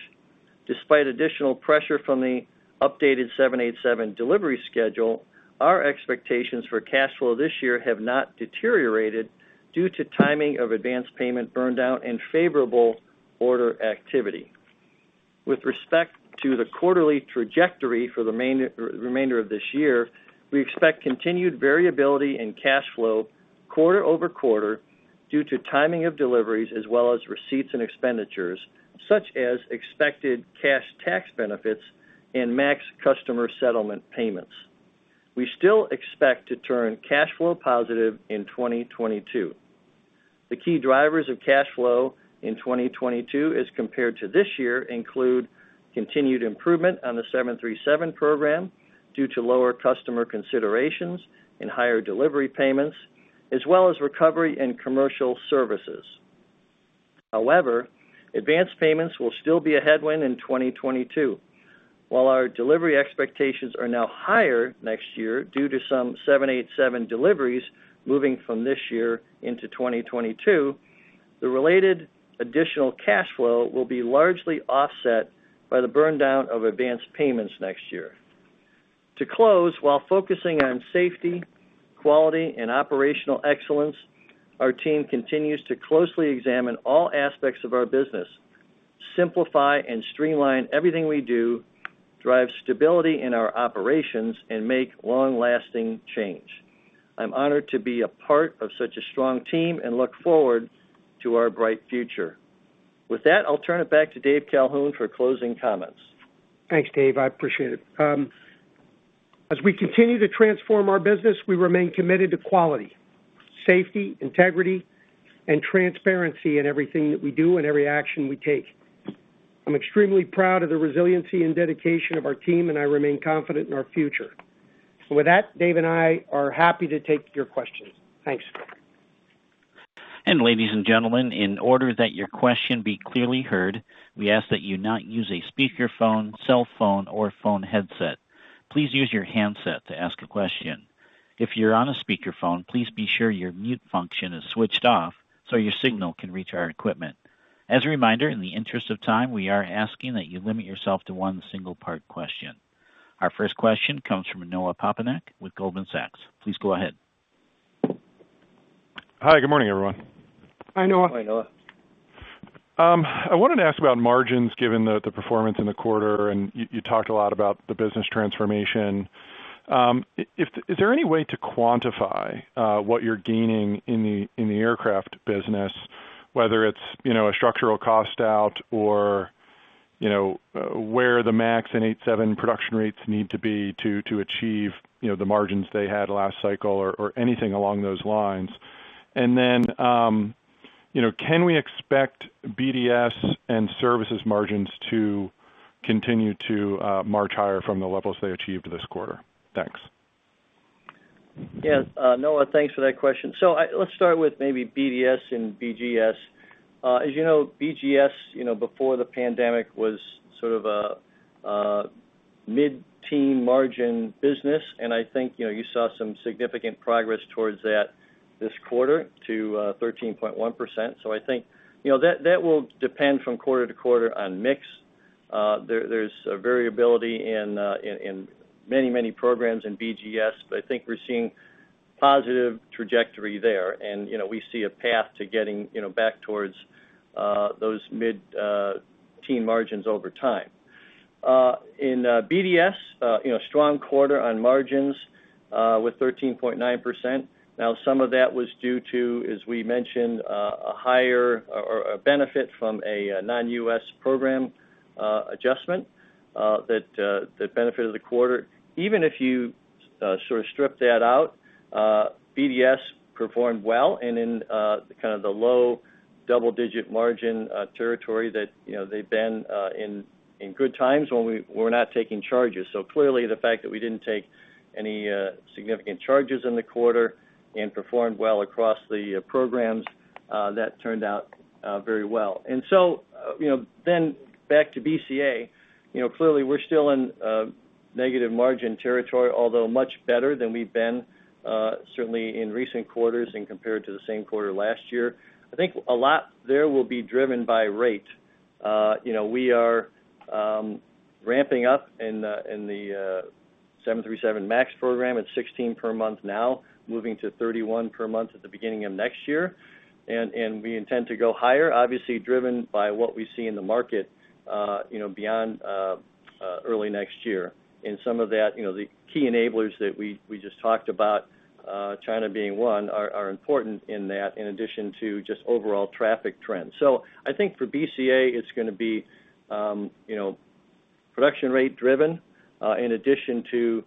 despite additional pressure from the updated 787 delivery schedule. Our expectations for cash flow this year have not deteriorated due to timing of advanced payment burn down and favorable order activity. With respect to the quarterly trajectory for the remainder of this year, we expect continued variability in cash flow quarter-over-quarter due to timing of deliveries as well as receipts and expenditures, such as expected cash tax benefits and MAX customer settlement payments. We still expect to turn cash flow positive in 2022. The key drivers of cash flow in 2022 as compared to this year include continued improvement on the 737 program due to lower customer considerations and higher delivery payments, as well as recovery in commercial services. Advanced payments will still be a headwind in 2022. While our delivery expectations are now higher next year due to some 787 deliveries moving from this year into 2022, the related additional cash flow will be largely offset by the burn down of advanced payments next year. To close, while focusing on safety, quality, and operational excellence, our team continues to closely examine all aspects of our business, simplify and streamline everything we do, drive stability in our operations, and make long-lasting change. I'm honored to be a part of such a strong team and look forward to our bright future. I'll turn it back to Dave Calhoun for closing comments. Thanks, Dave. I appreciate it. As we continue to transform our business, we remain committed to quality, safety, integrity, and transparency in everything that we do and every action we take. I'm extremely proud of the resiliency and dedication of our team, and I remain confident in our future. With that, Dave and I are happy to take your questions. Thanks. Ladies and gentlemen, in order that your question be clearly heard, we ask that you not use a speakerphone, cell phone, or phone headset. Please use your handset to ask a question. If you're on a speakerphone, please be sure your mute function is switched off so your signal can reach our equipment. As a reminder, in the interest of time, we are asking that you limit yourself to one single part question. Our first question comes from Noah Poponak with Goldman Sachs. Please go ahead. Hi, good morning, everyone. Hi, Noah. Hi, Noah. I wanted to ask about margins given the performance in the quarter, and you talked a lot about the business transformation. Is there any way to quantify what you're gaining in the aircraft business, whether it's a structural cost out or where the MAX and 787 production rates need to be to achieve the margins they had last cycle or anything along those lines? Can we expect BDS and services margins to continue to march higher from the levels they achieved this quarter? Thanks. Yes. Noah, thanks for that question. Let's start with maybe BDS and BGS. As you know, BGS, before the pandemic, was sort of a mid-teen margin business, and I think you saw some significant progress towards that this quarter to 13.1%. I think that will depend from quarter-to-quarter on mix. There's variability in many programs in BGS, but I think we're seeing positive trajectory there, and we see a path to getting back towards those mid-teen margins over time. In BDS, strong quarter on margins with 13.9%. Now, some of that was due to, as we mentioned, a higher or a benefit from a non-U.S. program adjustment that benefited the quarter. Even if you sort of strip that out, BDS performed well and in kind of the low double-digit margin territory that they've been in good times when we're not taking charges. Clearly the fact that we didn't take any significant charges in the quarter and performed well across the programs, that turned out very well. Back to BCA, clearly we're still in negative margin territory, although much better than we've been certainly in recent quarters and compared to the same quarter last year. I think a lot there will be driven by rate. We are ramping up in the 737 MAX program at 16 per month now, moving to 31 per month at the beginning of next year. We intend to go higher, obviously driven by what we see in the market beyond early next year. Some of that, the key enablers that we just talked about, China being one, are important in that, in addition to just overall traffic trends. I think for BCA, it's going to be production rate driven, in addition to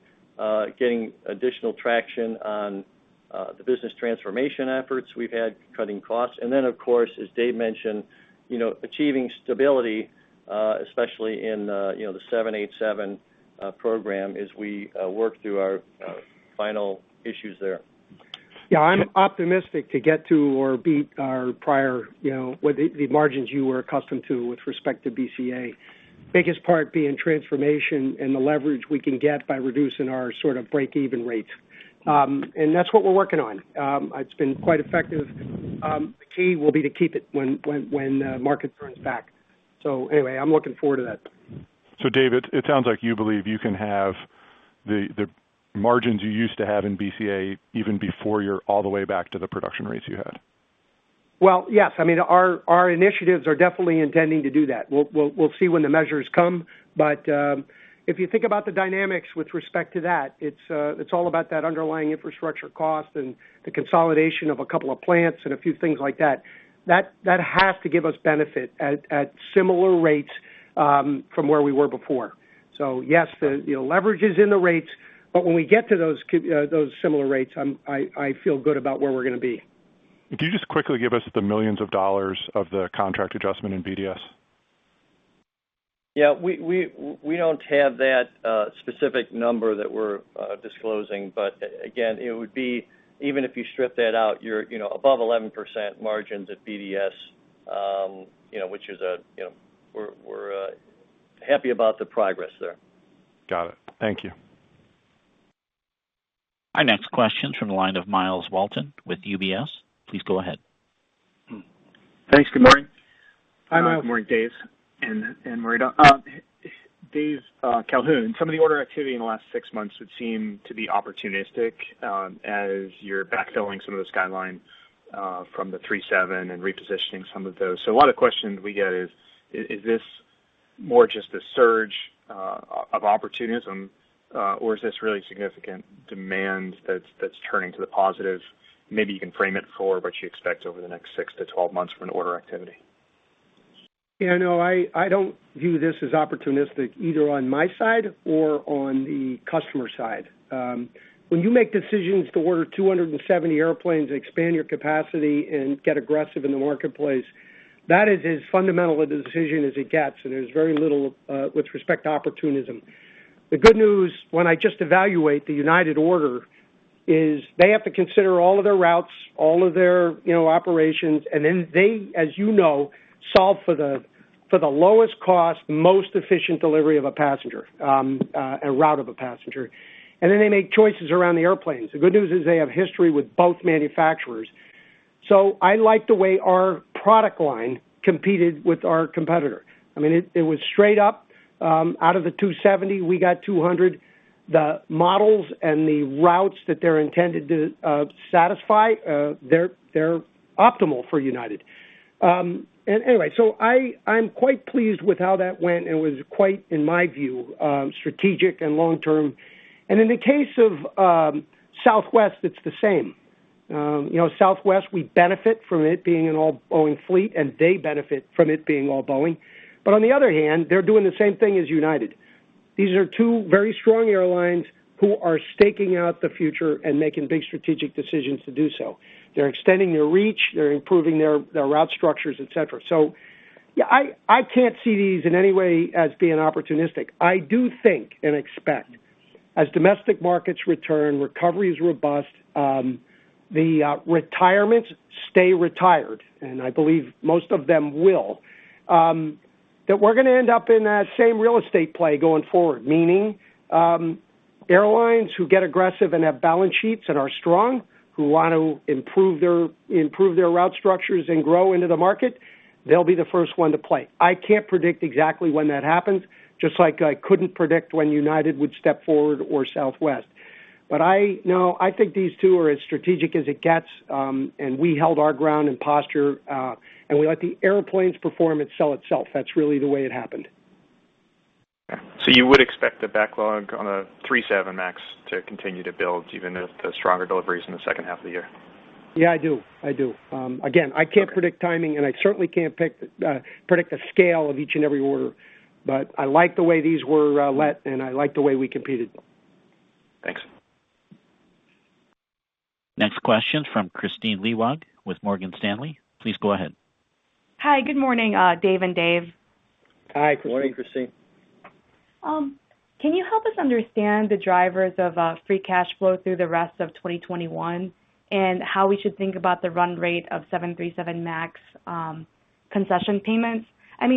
getting additional traction on the business transformation efforts we've had cutting costs. Of course, as Dave mentioned, achieving stability, especially in the 787 program as we work through our final issues there. Yeah, I'm optimistic to get to or beat our prior, the margins you were accustomed to with respect to BCA. Biggest part being transformation and the leverage we can get by reducing our sort of break-even rates. That's what we're working on. It's been quite effective. The key will be to keep it when the market turns back. Anyway, I'm looking forward to that. David, it sounds like you believe you can have the margins you used to have in BCA even before you're all the way back to the production rates you had. Yes. Our initiatives are definitely intending to do that. We'll see when the measures come, but if you think about the dynamics with respect to that, it's all about that underlying infrastructure cost and the consolidation of a couple of plants and a few things like that. That has to give us benefit at similar rates, from where we were before. Yes, the leverage is in the rates, but when we get to those similar rates, I feel good about where we're going to be. Could you just quickly give us the millions of dollars of the contract adjustment in BDS? Yeah. We don't have that specific number that we're disclosing. Again, even if you strip that out, you're above 11% margins at BDS, which we're happy about the progress there. Got it. Thank you. Our next question's from the line of Myles Walton with UBS. Please go ahead. Thanks. Good morning. Hi, Myles. Good morning, Dave and Maurita. Dave Calhoun, some of the order activity in the last six months would seem to be opportunistic, as you're backfilling some of the skyline from the 737 and repositioning some of those. A lot of questions we get is this more just a surge of opportunism, or is this really significant demand that's turning to the positive? Maybe you can frame it for what you expect over the next 6-12 months from an order activity. No, I don't view this as opportunistic either on my side or on the customer side. When you make decisions to order 270 airplanes, expand your capacity, and get aggressive in the marketplace, that is as fundamental a decision as it gets, and there's very little with respect to opportunism. The good news, when I just evaluate the United order, is they have to consider all of their routes, all of their operations, and then they, as you know, solve for the lowest cost, most efficient delivery of a passenger, and route of a passenger. They make choices around the airplanes. The good news is they have history with both manufacturers. I like the way our product line competed with our competitor. It was straight up. Out of the 270, we got 200. The models and the routes that they're intended to satisfy, they're optimal for United. Anyway, I'm quite pleased with how that went, and was quite, in my view, strategic and long-term. In the case of Southwest, it's the same. Southwest, we benefit from it being an all-Boeing fleet, and they benefit from it being all Boeing. On the other hand, they're doing the same thing as United. These are two very strong airlines who are staking out the future and making big strategic decisions to do so. They're extending their reach, they're improving their route structures, et cetera. Yeah, I can't see these in any way as being opportunistic. I do think and expect, as domestic markets return, recovery is robust, the retirements stay retired, and I believe most of them will, that we're going to end up in that same real estate play going forward, meaning airlines who get aggressive and have balance sheets and are strong, who want to improve their route structures and grow into the market, they'll be the first one to play. I can't predict exactly when that happens, just like I couldn't predict when United would step forward or Southwest. I think these two are as strategic as it gets, and we held our ground in posture, and we let the airplanes perform and sell itself. That's really the way it happened. You would expect the backlog on a 737 MAX to continue to build even with the stronger deliveries in the second half of the year. Yeah, I do. Again, I can't predict timing, and I certainly can't predict the scale of each and every order. I like the way these were let, and I like the way we competed. Thanks. Next question's from Kristine Liwag with Morgan Stanley. Please go ahead. Hi, good morning, Dave and Dave. Hi, Kristine. Good morning, Kristine. Can you help us understand the drivers of free cash flow through the rest of 2021, and how we should think about the run rate of 737 MAX concession payments?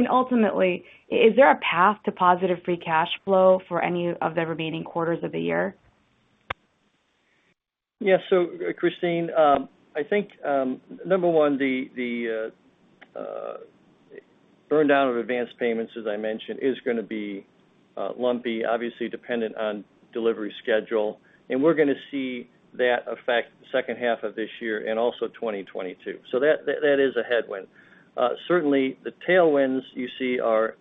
Ultimately, is there a path to positive free cash flow for any of the remaining quarters of the year? Yeah. Kristine, I think, number one, the burn down of advanced payments, as I mentioned, is going to be lumpy, obviously dependent on delivery schedule. We're going to see that affect the second half of this year and also 2022. That is a headwind. Certainly, the tailwinds you see are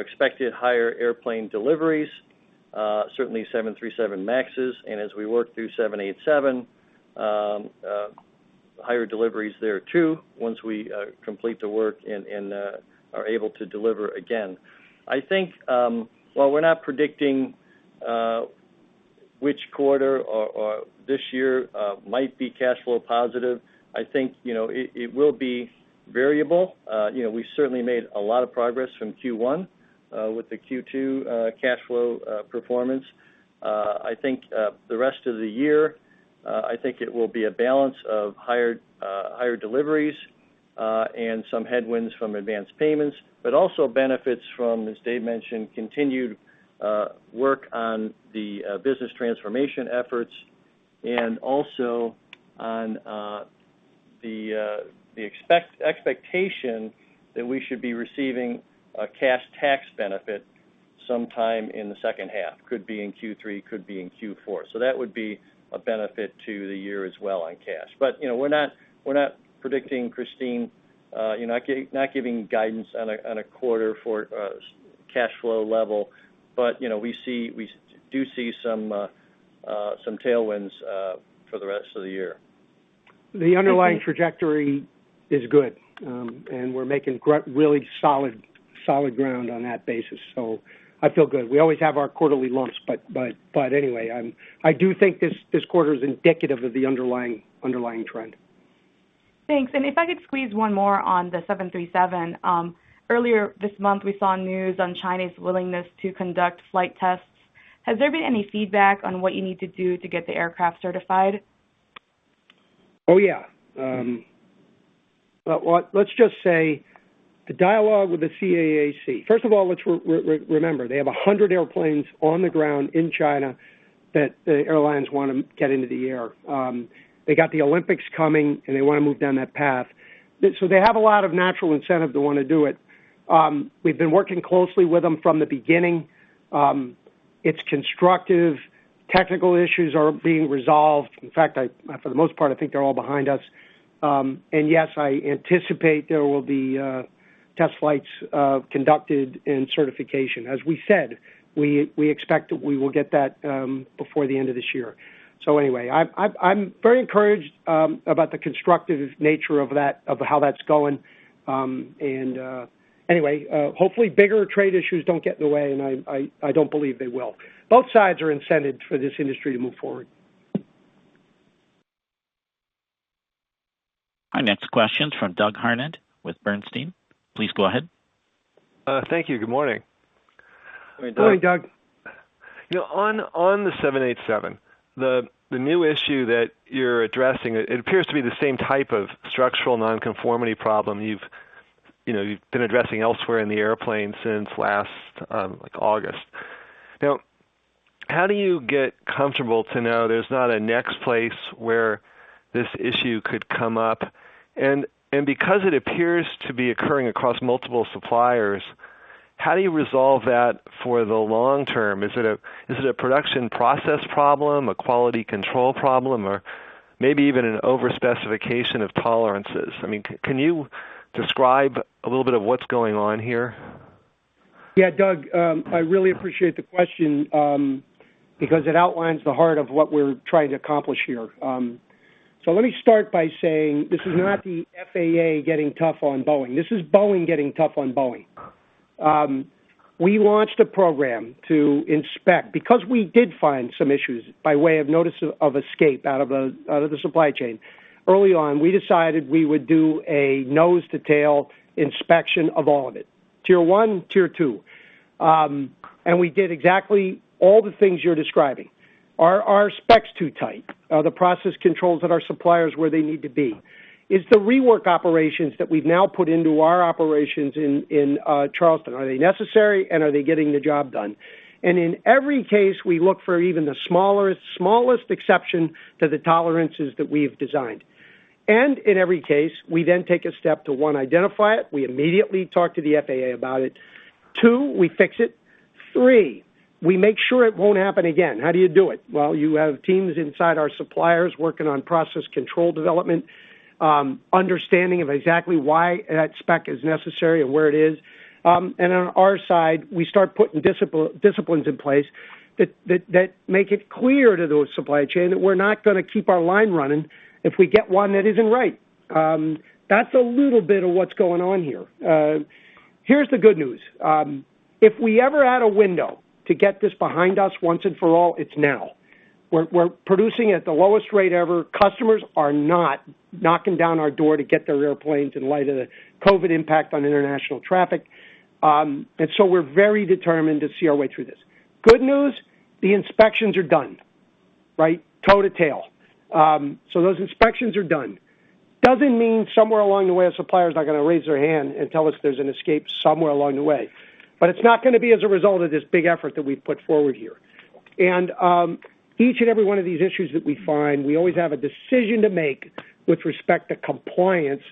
expected higher airplane deliveries, certainly 737 MAXs, and as we work through 787, higher deliveries there, too, once we complete the work and are able to deliver again. While we're not predicting which quarter or this year might be cash flow positive, I think it will be variable. We've certainly made a lot of progress from Q1 with the Q2 cash flow performance. I think the rest of the year, I think it will be a balance of higher deliveries and some headwinds from advanced payments, but also benefits from, as Dave mentioned, continued work on the business transformation efforts and also on the expectation that we should be receiving a cash tax benefit sometime in the second half. Could be in Q3, could be in Q4. That would be a benefit to the year as well on cash. We're not predicting, Kristine, not giving guidance on a quarter for cash flow level. We do see some tailwinds for the rest of the year. The underlying trajectory is good, and we're making really solid ground on that basis. I feel good. We always have our quarterly lumps, but anyway, I do think this quarter is indicative of the underlying trend. Thanks. If I could squeeze one more on the 737. Earlier this month, we saw news on China's willingness to conduct flight tests. Has there been any feedback on what you need to do to get the aircraft certified? Oh, yeah. Let's just say the dialogue with the CAAC. First of all, let's remember, they have 100 airplanes on the ground in China that the airlines want to get into the air. They got the Olympics coming. They want to move down that path. They have a lot of natural incentive to want to do it. We've been working closely with them from the beginning. It's constructive. Technical issues are being resolved. In fact, for the most part, I think they're all behind us. Yes, I anticipate there will be test flights conducted in certification. As we said, we expect that we will get that before the end of this year. Anyway, I'm very encouraged about the constructive nature of how that's going. Anyway, hopefully, bigger trade issues don't get in the way, and I don't believe they will. Both sides are incented for this industry to move forward. Our next question's from Doug Harned with Bernstein. Please go ahead. Thank you. Good morning. Good morning, Doug. On the 787, the new issue that you're addressing, it appears to be the same type of structural non-conformity problem you've been addressing elsewhere in the airplane since last August. How do you get comfortable to know there's not a next place where this issue could come up? Because it appears to be occurring across multiple suppliers, how do you resolve that for the long term? Is it a production process problem, a quality control problem, or maybe even an overspecification of tolerances? Can you describe a little bit of what's going on here? Doug, I really appreciate the question because it outlines the heart of what we're trying to accomplish here. Let me start by saying this is not the FAA getting tough on Boeing. This is Boeing getting tough on Boeing. We launched a program to inspect because we did find some issues by way of notice of escape out of the supply chain. Early on, we decided we would do a nose to tail inspection of all of it, Tier 1, Tier 2. We did exactly all the things you're describing. Are our specs too tight? Are the process controls at our suppliers where they need to be? Is the rework operations that we've now put into our operations in Charleston, are they necessary, and are they getting the job done? In every case, we look for even the smallest exception to the tolerances that we've designed. In every case, we then take a step to, one, identify it. We immediately talk to the FAA about it. Two, we fix it. Three, we make sure it won't happen again. How do you do it? Well, you have teams inside our suppliers working on process control development, understanding of exactly why that spec is necessary and where it is. On our side, we start putting disciplines in place that make it clear to those supply chain that we're not going to keep our line running if we get one that isn't right. That's a little bit of what's going on here. Here's the good news. If we ever had a window to get this behind us once and for all, it's now. We're producing at the lowest rate ever. Customers are not knocking down our door to get their airplanes in light of the COVID-19 impact on international traffic. We're very determined to see our way through this. Good news, the inspections are done, right, toe to tail. Those inspections are done. Doesn't mean somewhere along the way a supplier's not going to raise their hand and tell us there's an escape somewhere along the way, but it's not going to be as a result of this big effort that we've put forward here. Each and every one of these issues that we find, we always have a decision to make with respect to compliance,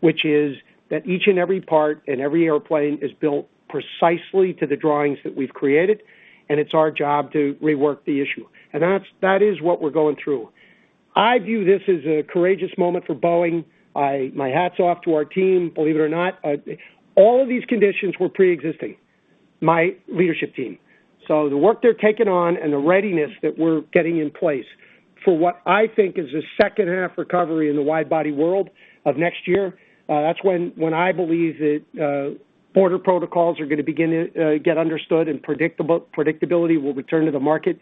which is that each and every part and every airplane is built precisely to the drawings that we've created, and it's our job to rework the issue. That is what we're going through. I view this as a courageous moment for Boeing. My hat's off to our team. Believe it or not, all of these conditions were preexisting, my leadership team. The work they're taking on and the readiness that we're getting in place for what I think is a second half recovery in the wide body world of next year, that's when I believe that border protocols are going to begin to get understood and predictability will return to the market.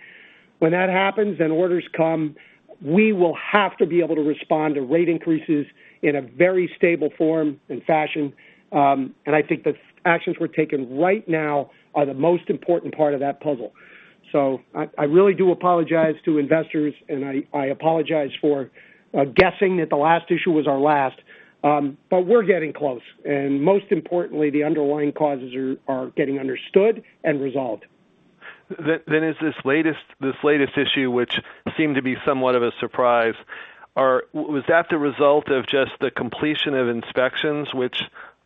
When that happens and orders come, we will have to be able to respond to rate increases in a very stable form and fashion. I think the actions we're taking right now are the most important part of that puzzle. I really do apologize to investors, and I apologize for guessing that the last issue was our last. We're getting close. Most importantly, the underlying causes are getting understood and resolved. Is this latest issue, which seemed to be somewhat of a surprise, was that the result of just the completion of inspections, which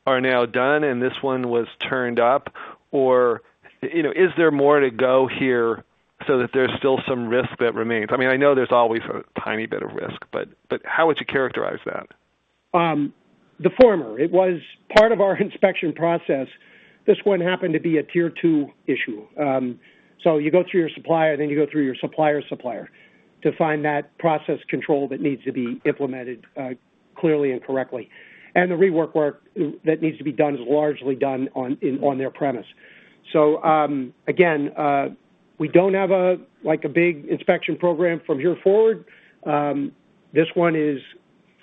are now done and this one was turned up? Is there more to go here so that there's still some risk that remains? I know there's always a tiny bit of risk, but how would you characterize that? The former. It was part of our inspection process. This one happened to be a Tier 2 issue. You go through your supplier, then you go through your supplier's supplier to find that process control that needs to be implemented clearly and correctly. The rework that needs to be done is largely done on their premise. Again, we don't have a big inspection program from here forward. This one is,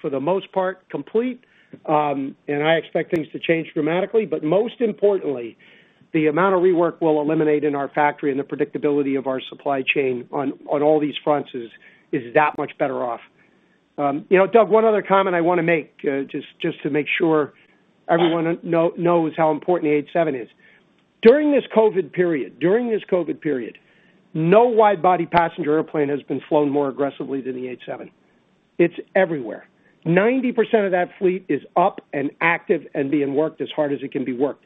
for the most part, complete, and I expect things to change dramatically. Most importantly, the amount of rework we'll eliminate in our factory and the predictability of our supply chain on all these fronts is that much better off. Doug, one other comment I want to make, just to make sure everyone knows how important the 787 is. During this COVID period, no wide-body passenger airplane has been flown more aggressively than the 787. It's everywhere. 90% of that fleet is up and active and being worked as hard as it can be worked.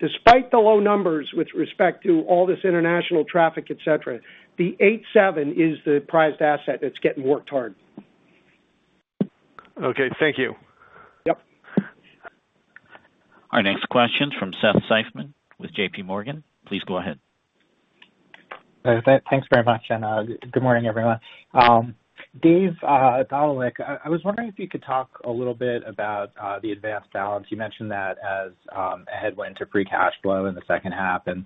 Despite the low numbers with respect to all this international traffic, et cetera, the 787 is the prized asset that's getting worked hard. Okay. Thank you. Yep. Our next question's from Seth Seifman with JPMorgan. Please go ahead. Thanks very much. Good morning, everyone. Dave Dohnalek, I was wondering if you could talk a little bit about the advanced balance. You mentioned that as a headwind to free cash flow in the second half and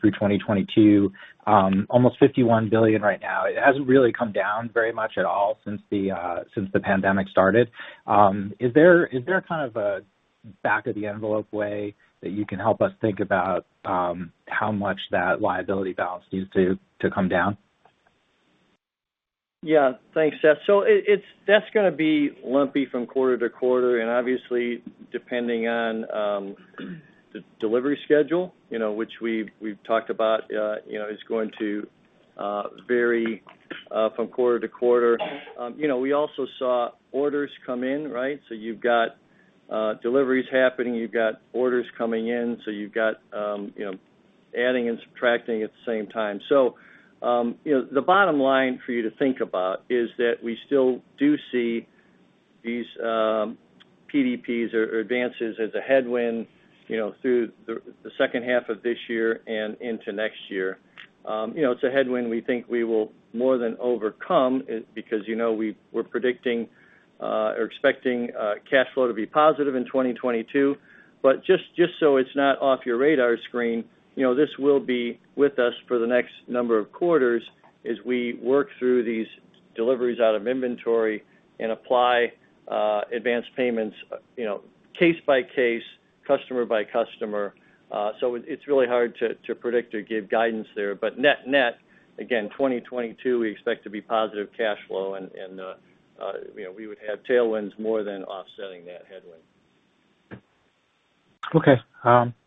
through 2022. Almost $51 billion right now. It hasn't really come down very much at all since the pandemic started. Is there a kind of a back-of-the-envelope way that you can help us think about how much that liability balance needs to come down? Yeah. Thanks, Seth. That's going to be lumpy from quarter-to-quarter, and obviously, depending on the delivery schedule, which we've talked about is going to vary from quarter-to-quarter. We also saw orders come in, right? You've got deliveries happening, you've got orders coming in, so you've got adding and subtracting at the same time. The bottom line for you to think about is that we still do see these PDPs or advances as a headwind through the second half of this year and into next year. It's a headwind we think we will more than overcome because we're predicting or expecting cash flow to be positive in 2022. Just so it's not off your radar screen, this will be with us for the next number of quarters as we work through these deliveries out of inventory and apply advanced payments case by case, customer by customer. It's really hard to predict or give guidance there. Net-net, again, 2022, we expect to be positive cash flow, and we would have tailwinds more than offsetting that headwind. Okay.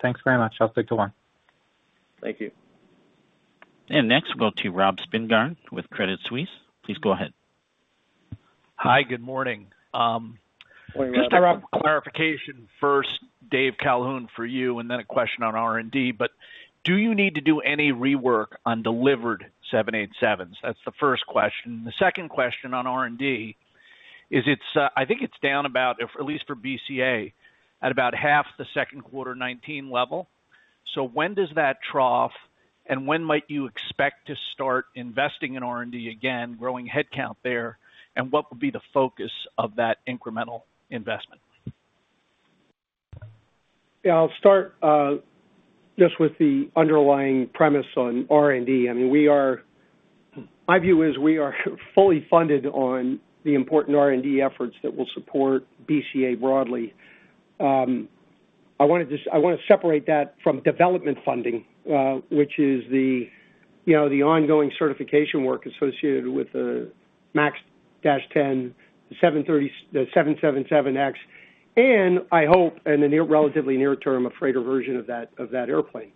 Thanks very much. I'll stick to one. Thank you. Next, we'll go to Rob Spingarn with Credit Suisse. Please go ahead. Hi. Good morning. Morning, Rob. Just a clarification first, Dave Calhoun, for you, and then a question on R&D. Do you need to do any rework on delivered 787s? The second question on R&D is, I think it's down about, at least for BCA, at about half the Q2 2019 level. When does that trough, and when might you expect to start investing in R&D again, growing headcount there, and what would be the focus of that incremental investment? Yeah, I'll start just with the underlying premise on R&D. My view is we are fully funded on the important R&D efforts that will support BCA broadly. I want to separate that from development funding, which is the ongoing certification work associated with the MAX 10, the 777X, and I hope, in the relatively near term, a freighter version of that airplane.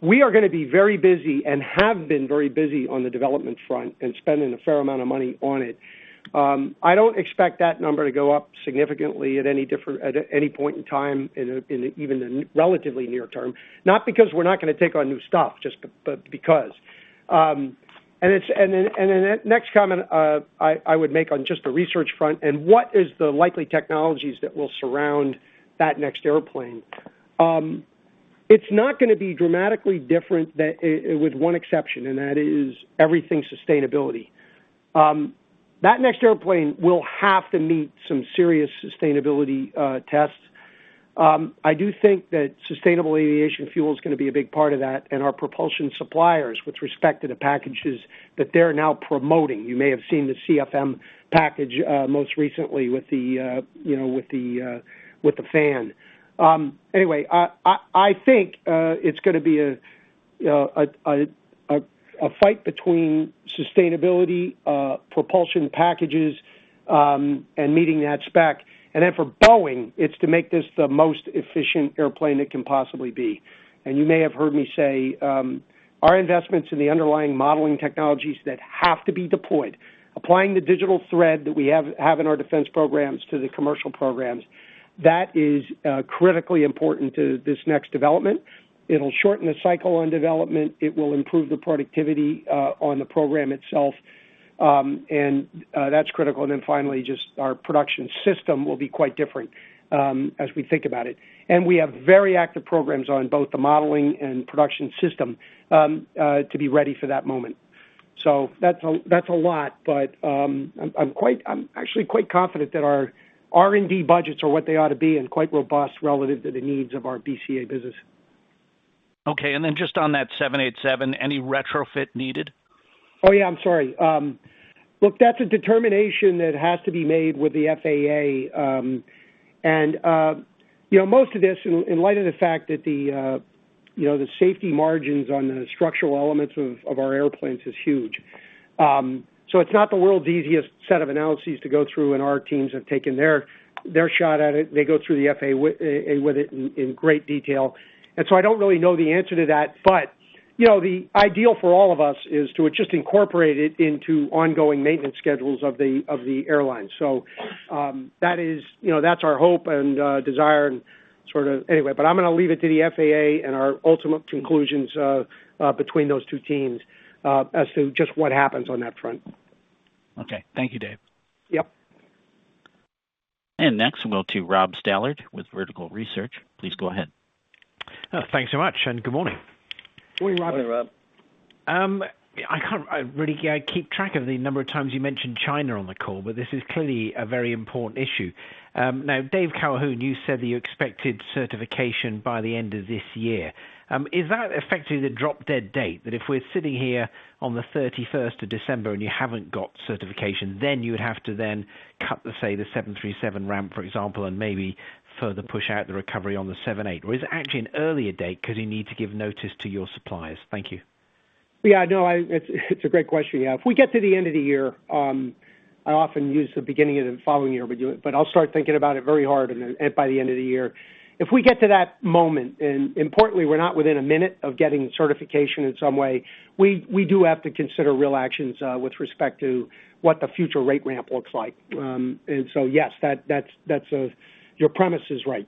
We are going to be very busy and have been very busy on the development front and spending a fair amount of money on it. I don't expect that number to go up significantly at any point in time, in even the relatively near term, not because we're not going to take on new stuff, just because. The next comment I would make on just the research front and what is the likely technologies that will surround that next airplane. It's not going to be dramatically different, with one exception, that is everything sustainability. That next airplane will have to meet some serious sustainability tests. I do think that sustainable aviation fuel is going to be a big part of that, and our propulsion suppliers with respect to the packages that they're now promoting. You may have seen the CFM package most recently with the fan. Anyway, I think it's going to be a fight between sustainability, propulsion packages, and meeting that spec. For Boeing, it's to make this the most efficient airplane it can possibly be. You may have heard me say, our investments in the underlying modeling technologies that have to be deployed, applying the digital thread that we have in our defense programs to the commercial programs, that is critically important to this next development. It'll shorten the cycle on development. It will improve the productivity on the program itself. That's critical. Finally, just our production system will be quite different as we think about it. We have very active programs on both the modeling and production system to be ready for that moment. That's a lot but I'm actually quite confident that our R&D budgets are what they ought to be and quite robust relative to the needs of our BCA business. Okay, just on that 787, any retrofit needed? Oh, yeah. I'm sorry. Look, that's a determination that has to be made with the FAA. Most of this, in light of the fact that the safety margins on the structural elements of our airplanes is huge. It's not the world's easiest set of analyses to go through, and our teams have taken their shot at it. They go through the FAA with it in great detail. I don't really know the answer to that, but the ideal for all of us is to just incorporate it into ongoing maintenance schedules of the airlines. That's our hope and desire and sort of Anyway, but I'm going to leave it to the FAA and our ultimate conclusions between those two teams as to just what happens on that front. Okay. Thank you, Dave. Yep. Next, we'll to Rob Stallard with Vertical Research. Please go ahead. Thanks so much, and good morning. Morning, Rob. Morning, Rob. I can't really keep track of the number of times you mentioned China on the call, but this is clearly a very important issue. Now Dave Calhoun, you said that you expected certification by the end of this year. Is that effectively the drop-dead date, that if we're sitting here on the 31st of December and you haven't got certification, then you would have to then cut the, say, the 737 ramp, for example, and maybe further push out the recovery on the 787, or is it actually an earlier date because you need to give notice to your suppliers? Thank you. Yeah. No. It's a great question. If we get to the end of the year, I often use the beginning of the following year, but I'll start thinking about it very hard by the end of the year. If we get to that moment, and importantly, we're not within a minute of getting certification in some way, we do have to consider real actions with respect to what the future rate ramp looks like. Yes, your premise is right.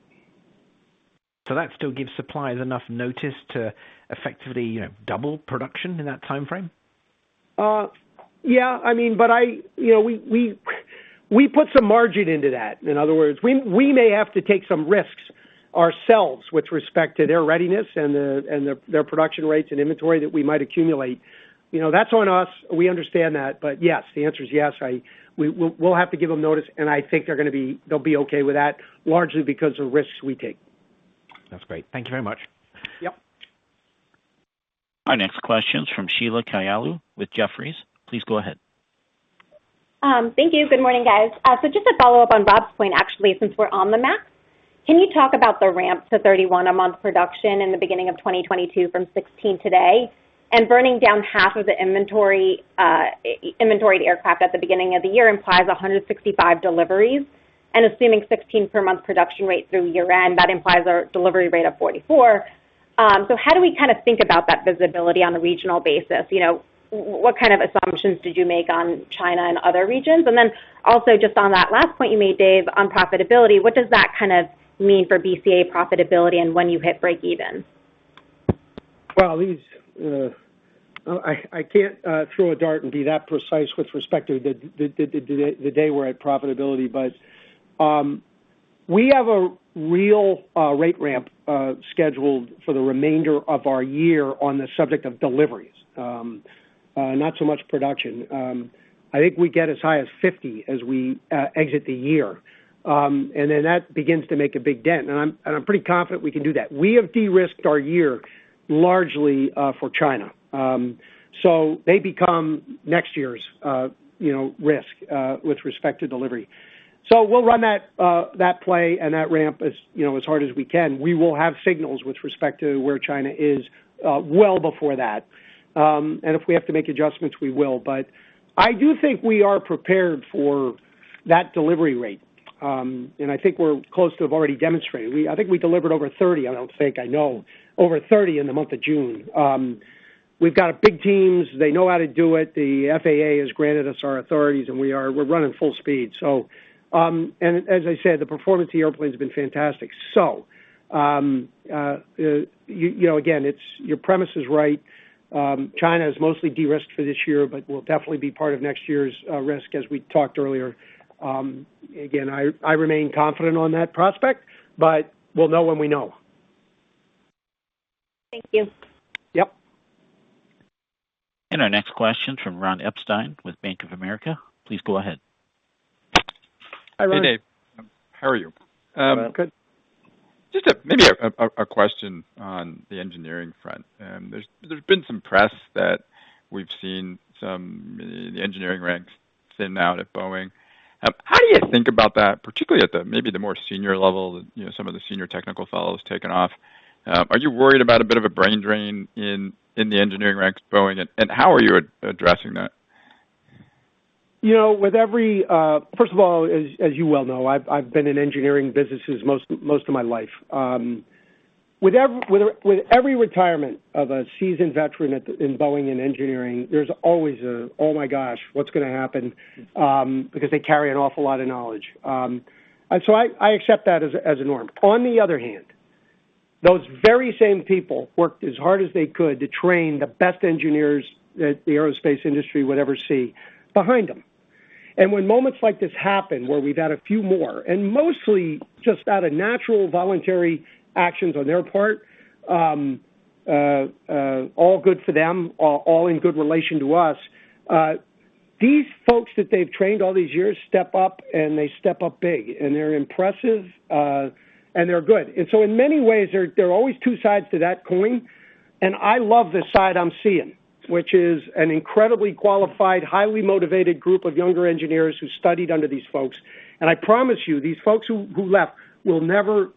That still gives suppliers enough notice to effectively double production in that timeframe? Yeah. We put some margin into that. In other words, we may have to take some risks ourselves with respect to their readiness and their production rates and inventory that we might accumulate. That's on us. We understand that. Yes, the answer is yes. We'll have to give them notice, and I think they'll be okay with that, largely because of risks we take. That's great. Thank you very much. Yep. Our next question's from Sheila Kahyaoglu with Jefferies. Please go ahead. Thank you. Good morning, guys. Just to follow up on Rob's point, actually, since we're on the MAX, can you talk about the ramp to 31 a month production in the beginning of 2022 from 16 today? Burning down half of the inventoried aircraft at the beginning of the year implies 165 deliveries, assuming 16 per month production rate through year-end, that implies a delivery rate of 44. How do we kind of think about that visibility on a regional basis? What kind of assumptions did you make on China and other regions? Then also just on that last point you made, Dave, on profitability, what does that kind of mean for BCA profitability and when you hit breakeven? Well, I can't throw a dart and be that precise with respect to the day we're at profitability. We have a real rate ramp scheduled for the remainder of our year on the subject of deliveries. Not so much production. I think we get as high as 50 as we exit the year. That begins to make a big dent. I'm pretty confident we can do that. We have de-risked our year largely for China. They become next year's risk with respect to delivery. We'll run that play and that ramp as hard as we can. We will have signals with respect to where China is well before that. If we have to make adjustments, we will. I do think we are prepared for that delivery rate. I think we're close to have already demonstrated. I think we delivered over 30, I don't think, I know, over 30 in the month of June. We've got big teams. They know how to do it. The FAA has granted us our authorities, and we're running full speed. As I said, the performance of the airplane's been fantastic. Again, your premise is right. China is mostly de-risked for this year, but will definitely be part of next year's risk as we talked earlier. Again, I remain confident on that prospect, but we'll know when we know. Thank you. Yep. Our next question's from Ron Epstein with Bank of America. Please go ahead. Hi, Ron. Hey, Dave. How are you? Good. Just maybe a question on the engineering front. There's been some press that we've seen some of the engineering ranks thin out at Boeing. How do you think about that, particularly at maybe the more senior level, some of the senior technical fellows taking off? Are you worried about a bit of a brain drain in the engineering ranks at Boeing, and how are you addressing that? First of all, as you well know, I've been in engineering businesses most of my life. With every retirement of a seasoned veteran in Boeing in engineering, there's always a, "Oh my gosh, what's going to happen?" Because they carry an awful lot of knowledge. I accept that as a norm. On the other hand, those very same people worked as hard as they could to train the best engineers that the aerospace industry would ever see behind them. When moments like this happen, where we've had a few more, and mostly just out of natural, voluntary actions on their part, all good for them, all in good relation to us, these folks that they've trained all these years step up and they step up big. They're impressive, and they're good. In many ways, there are always two sides to that coin. I love the side I'm seeing, which is an incredibly qualified, highly motivated group of younger engineers who studied under these folks. I promise you, these folks who left will never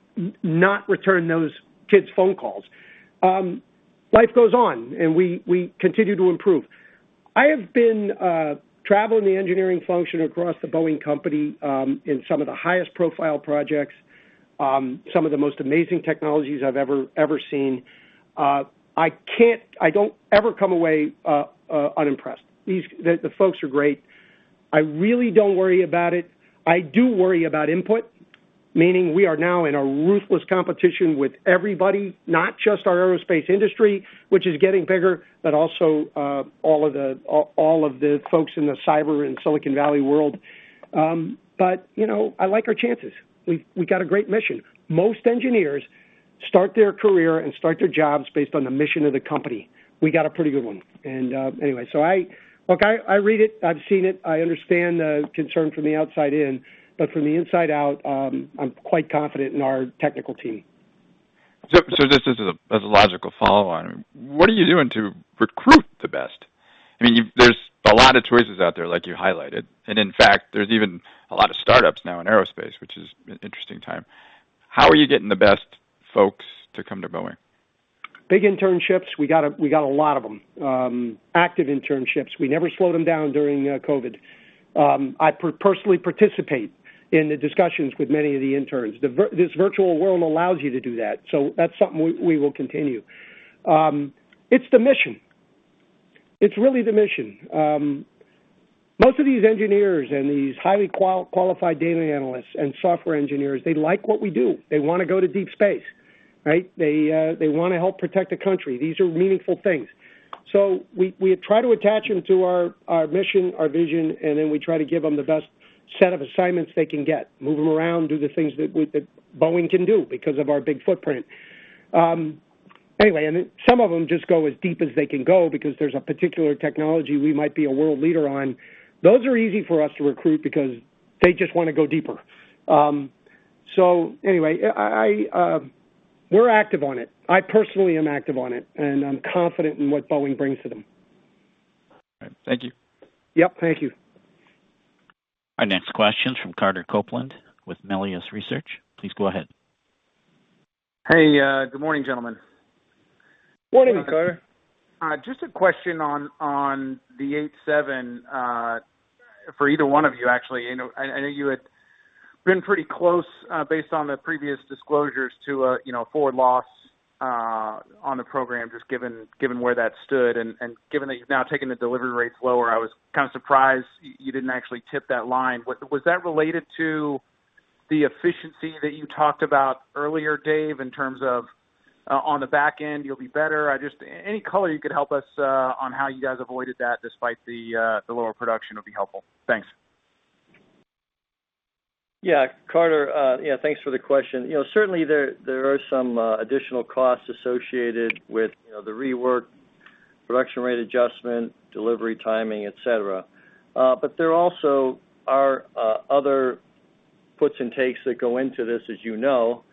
not return those kids' phone calls. Life goes on. We continue to improve. I have been traveling the engineering function across The Boeing Company in some of the highest profile projects, some of the most amazing technologies I've ever seen. I don't ever come away unimpressed. The folks are great. I really don't worry about it. I do worry about input, meaning we are now in a ruthless competition with everybody, not just our aerospace industry, which is getting bigger, but also all of the folks in the cyber and Silicon Valley world. I like our chances. We've got a great mission. Most engineers start their career and start their jobs based on the mission of the company. We got a pretty good one. Anyway, look, I read it. I've seen it. I understand the concern from the outside in, but from the inside out, I'm quite confident in our technical team. Just as a logical follow on, what are you doing to recruit the best? There's a lot of choices out there, like you highlighted, and in fact, there's even a lot of startups now in aerospace, which is an interesting time. How are you getting the best folks to come to Boeing? Big internships. We got a lot of them. Active internships. We never slowed them down during COVID. I personally participate in the discussions with many of the interns. This virtual world allows you to do that's something we will continue. It's the mission. It's really the mission. Most of these engineers and these highly qualified data analysts and software engineers, they like what we do. They want to go to deep space, right? They want to help protect the country. These are meaningful things. We try to attach them to our mission, our vision, we try to give them the best set of assignments they can get, move them around, do the things that Boeing can do because of our big footprint. Some of them just go as deep as they can go because there's a particular technology we might be a world leader on. Those are easy for us to recruit because they just want to go deeper. We're active on it. I personally am active on it, and I'm confident in what Boeing brings to them. All right. Thank you. Yep, thank you. Our next question's from Carter Copeland with Melius Research. Please go ahead. Hey, good morning, gentlemen. Morning, Carter. Just a question on the 787, for either one of you, actually. I know you had been pretty close, based on the previous disclosures, to a forward loss on the program, just given where that stood and given that you've now taken the delivery rates lower. I was kind of surprised you didn't actually tip that line. Was that related to the efficiency that you talked about earlier, Dave, in terms of on the back end, you'll be better? Just any color you could help us on how you guys avoided that despite the lower production would be helpful. Thanks. Carter, thanks for the question. Certainly, there are some additional costs associated with the rework, production rate adjustment, delivery timing, et cetera. There also are other puts and takes that go into this, as you know,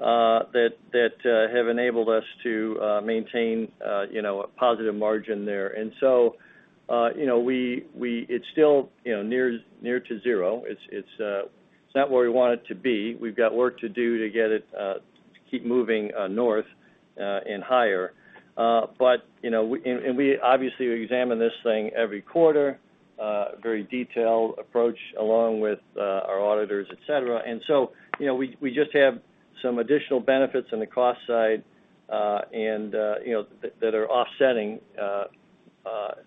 that have enabled us to maintain a positive margin there. It's still near to zero. It's not where we want it to be. We've got work to do to get it to keep moving north and higher. We obviously examine this thing every quarter, a very detailed approach along with our auditors, et cetera. We just have some additional benefits on the cost side that are offsetting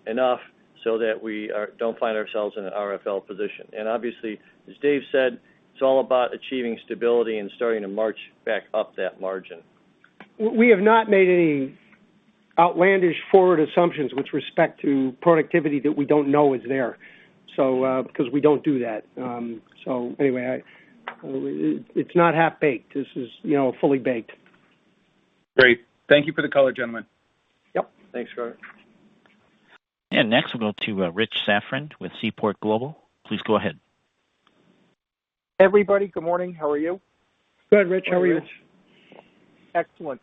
enough so that we don't find ourselves in an RFL position. Obviously, as Dave said, it's all about achieving stability and starting to march back up that margin. We have not made any outlandish forward assumptions with respect to productivity that we don't know is there, because we don't do that. Anyway, it's not half-baked. This is fully baked. Great. Thank you for the color, gentlemen. Yep. Thanks, Carter. Next we'll go to Rich Safran with Seaport Global. Please go ahead. Everybody, good morning. How are you? Good, Rich. How are you? Excellent.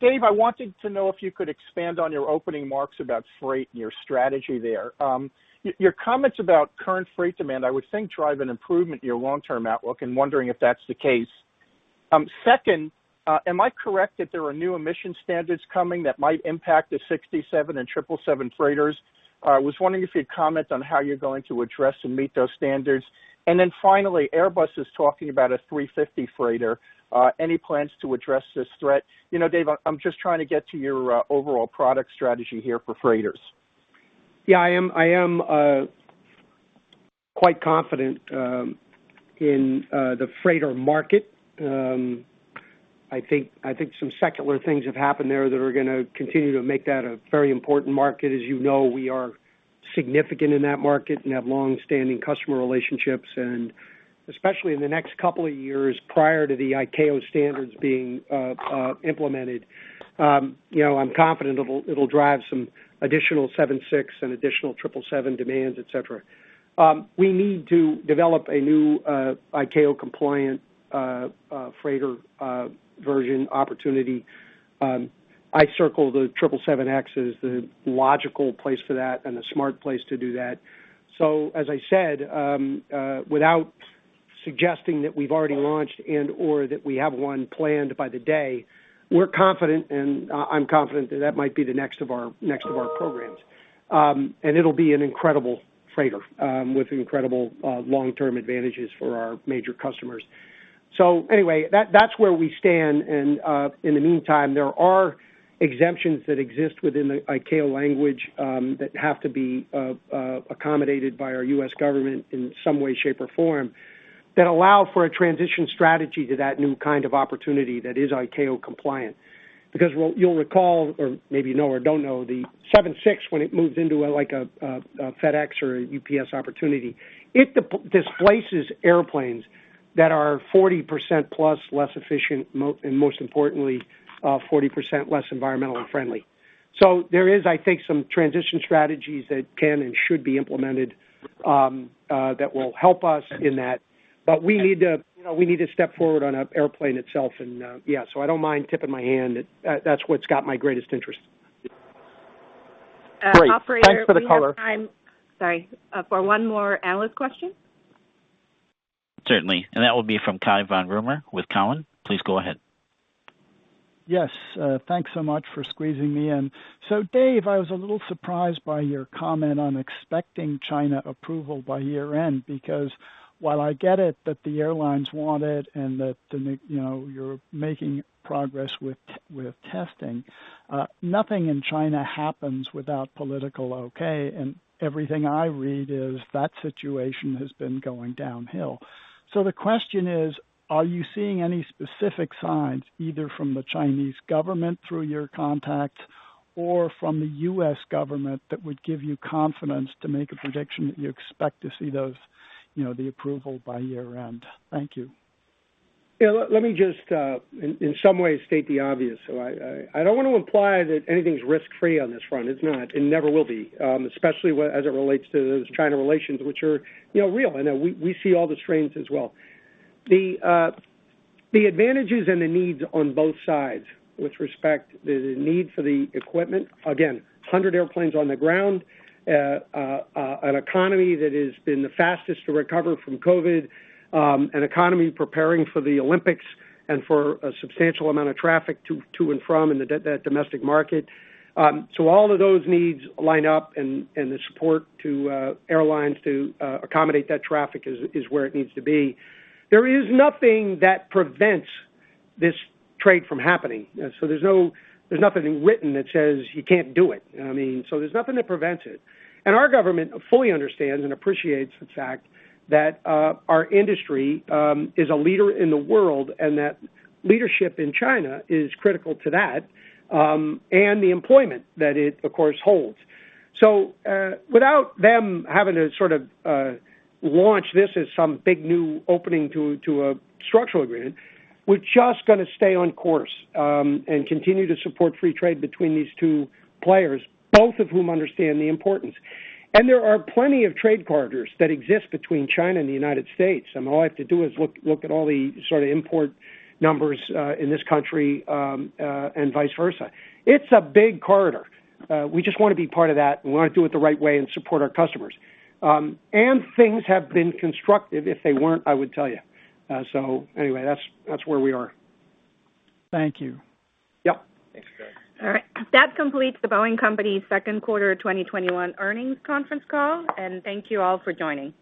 Dave, I wanted to know if you could expand on your opening remarks about freight and your strategy there. Your comments about current freight demand, I would think drive an improvement in your long-term outlook, and wondering if that's the case. Second, am I correct that there are new emission standards coming that might impact the 767 and 777 freighters? I was wondering if you'd comment on how you're going to address and meet those standards. Finally, Airbus is talking about a 350 freighter. Any plans to address this threat? Dave, I'm just trying to get to your overall product strategy here for freighters. Yeah, I am quite confident in the freighter market. I think some secular things have happened there that are going to continue to make that a very important market. As you know, we are significant in that market and have longstanding customer relationships, especially in the next couple of years prior to the ICAO standards being implemented. I'm confident it'll drive some additional 767 and additional 777 demands, et cetera. We need to develop a new ICAO compliant freighter version opportunity. I circle the 777X as the logical place for that and a smart place to do that. As I said, without suggesting that we've already launched and/or that we have one planned by the day, we're confident, and I'm confident that that might be the next of our programs. It'll be an incredible freighter with incredible long-term advantages for our major customers. Anyway, that's where we stand. In the meantime, there are exemptions that exist within the ICAO language that have to be accommodated by our U.S. government in some way, shape, or form that allow for a transition strategy to that new kind of opportunity that is ICAO compliant. What you'll recall, or maybe you know or don't know, the 767 when it moves into a FedEx or a UPS opportunity, it displaces airplanes that are 40%+ less efficient, and most importantly, 40% less environmentally friendly. There is, I think, some transition strategies that can and should be implemented that will help us in that. We need to step forward on an airplane itself, and yeah, so I don't mind tipping my hand that that's what's got my greatest interest. Great. Thanks for the color. Operator, we have time, sorry, for one more analyst question. Certainly. That will be from Cai von Rumohr with Cowen. Please go ahead. Yes. Thanks so much for squeezing me in. Dave, I was a little surprised by your comment on expecting China approval by year-end because while I get it that the airlines want it and that you're making progress with testing, nothing in China happens without political okay, and everything I read is that situation has been going downhill. The question is, are you seeing any specific signs either from the Chinese government through your contacts or from the U.S. government that would give you confidence to make a prediction that you expect to see the approval by year-end? Thank you. Yeah. Let me just, in some ways, state the obvious. I don't want to imply that anything's risk-free on this front. It's not, it never will be. Especially as it relates to those China relations, which are real. I know we see all the strains as well. The advantages and the needs on both sides with respect to the need for the equipment, again, 100 airplanes on the ground, an economy that has been the fastest to recover from COVID, an economy preparing for the Olympics and for a substantial amount of traffic to and from in that domestic market. All of those needs line up and the support to airlines to accommodate that traffic is where it needs to be. There is nothing that prevents this trade from happening. There's nothing written that says you can't do it. There's nothing that prevents it. Our government fully understands and appreciates the fact that our industry is a leader in the world, and that leadership in China is critical to that, and the employment that it, of course, holds. Without them having to sort of launch this as some big new opening to a structural agreement, we're just going to stay on course, and continue to support free trade between these two players, both of whom understand the importance. There are plenty of trade corridors that exist between China and the United States, all I have to do is look at all the sort of import numbers, in this country, and vice versa. It's a big corridor. We just want to be part of that, and we want to do it the right way and support our customers. Things have been constructive. If they weren't, I would tell you. Anyway, that's where we are. Thank you. Yep. Thanks, Cai. All right. That completes The Boeing Company's second quarter 2021 earnings conference call, and thank you all for joining.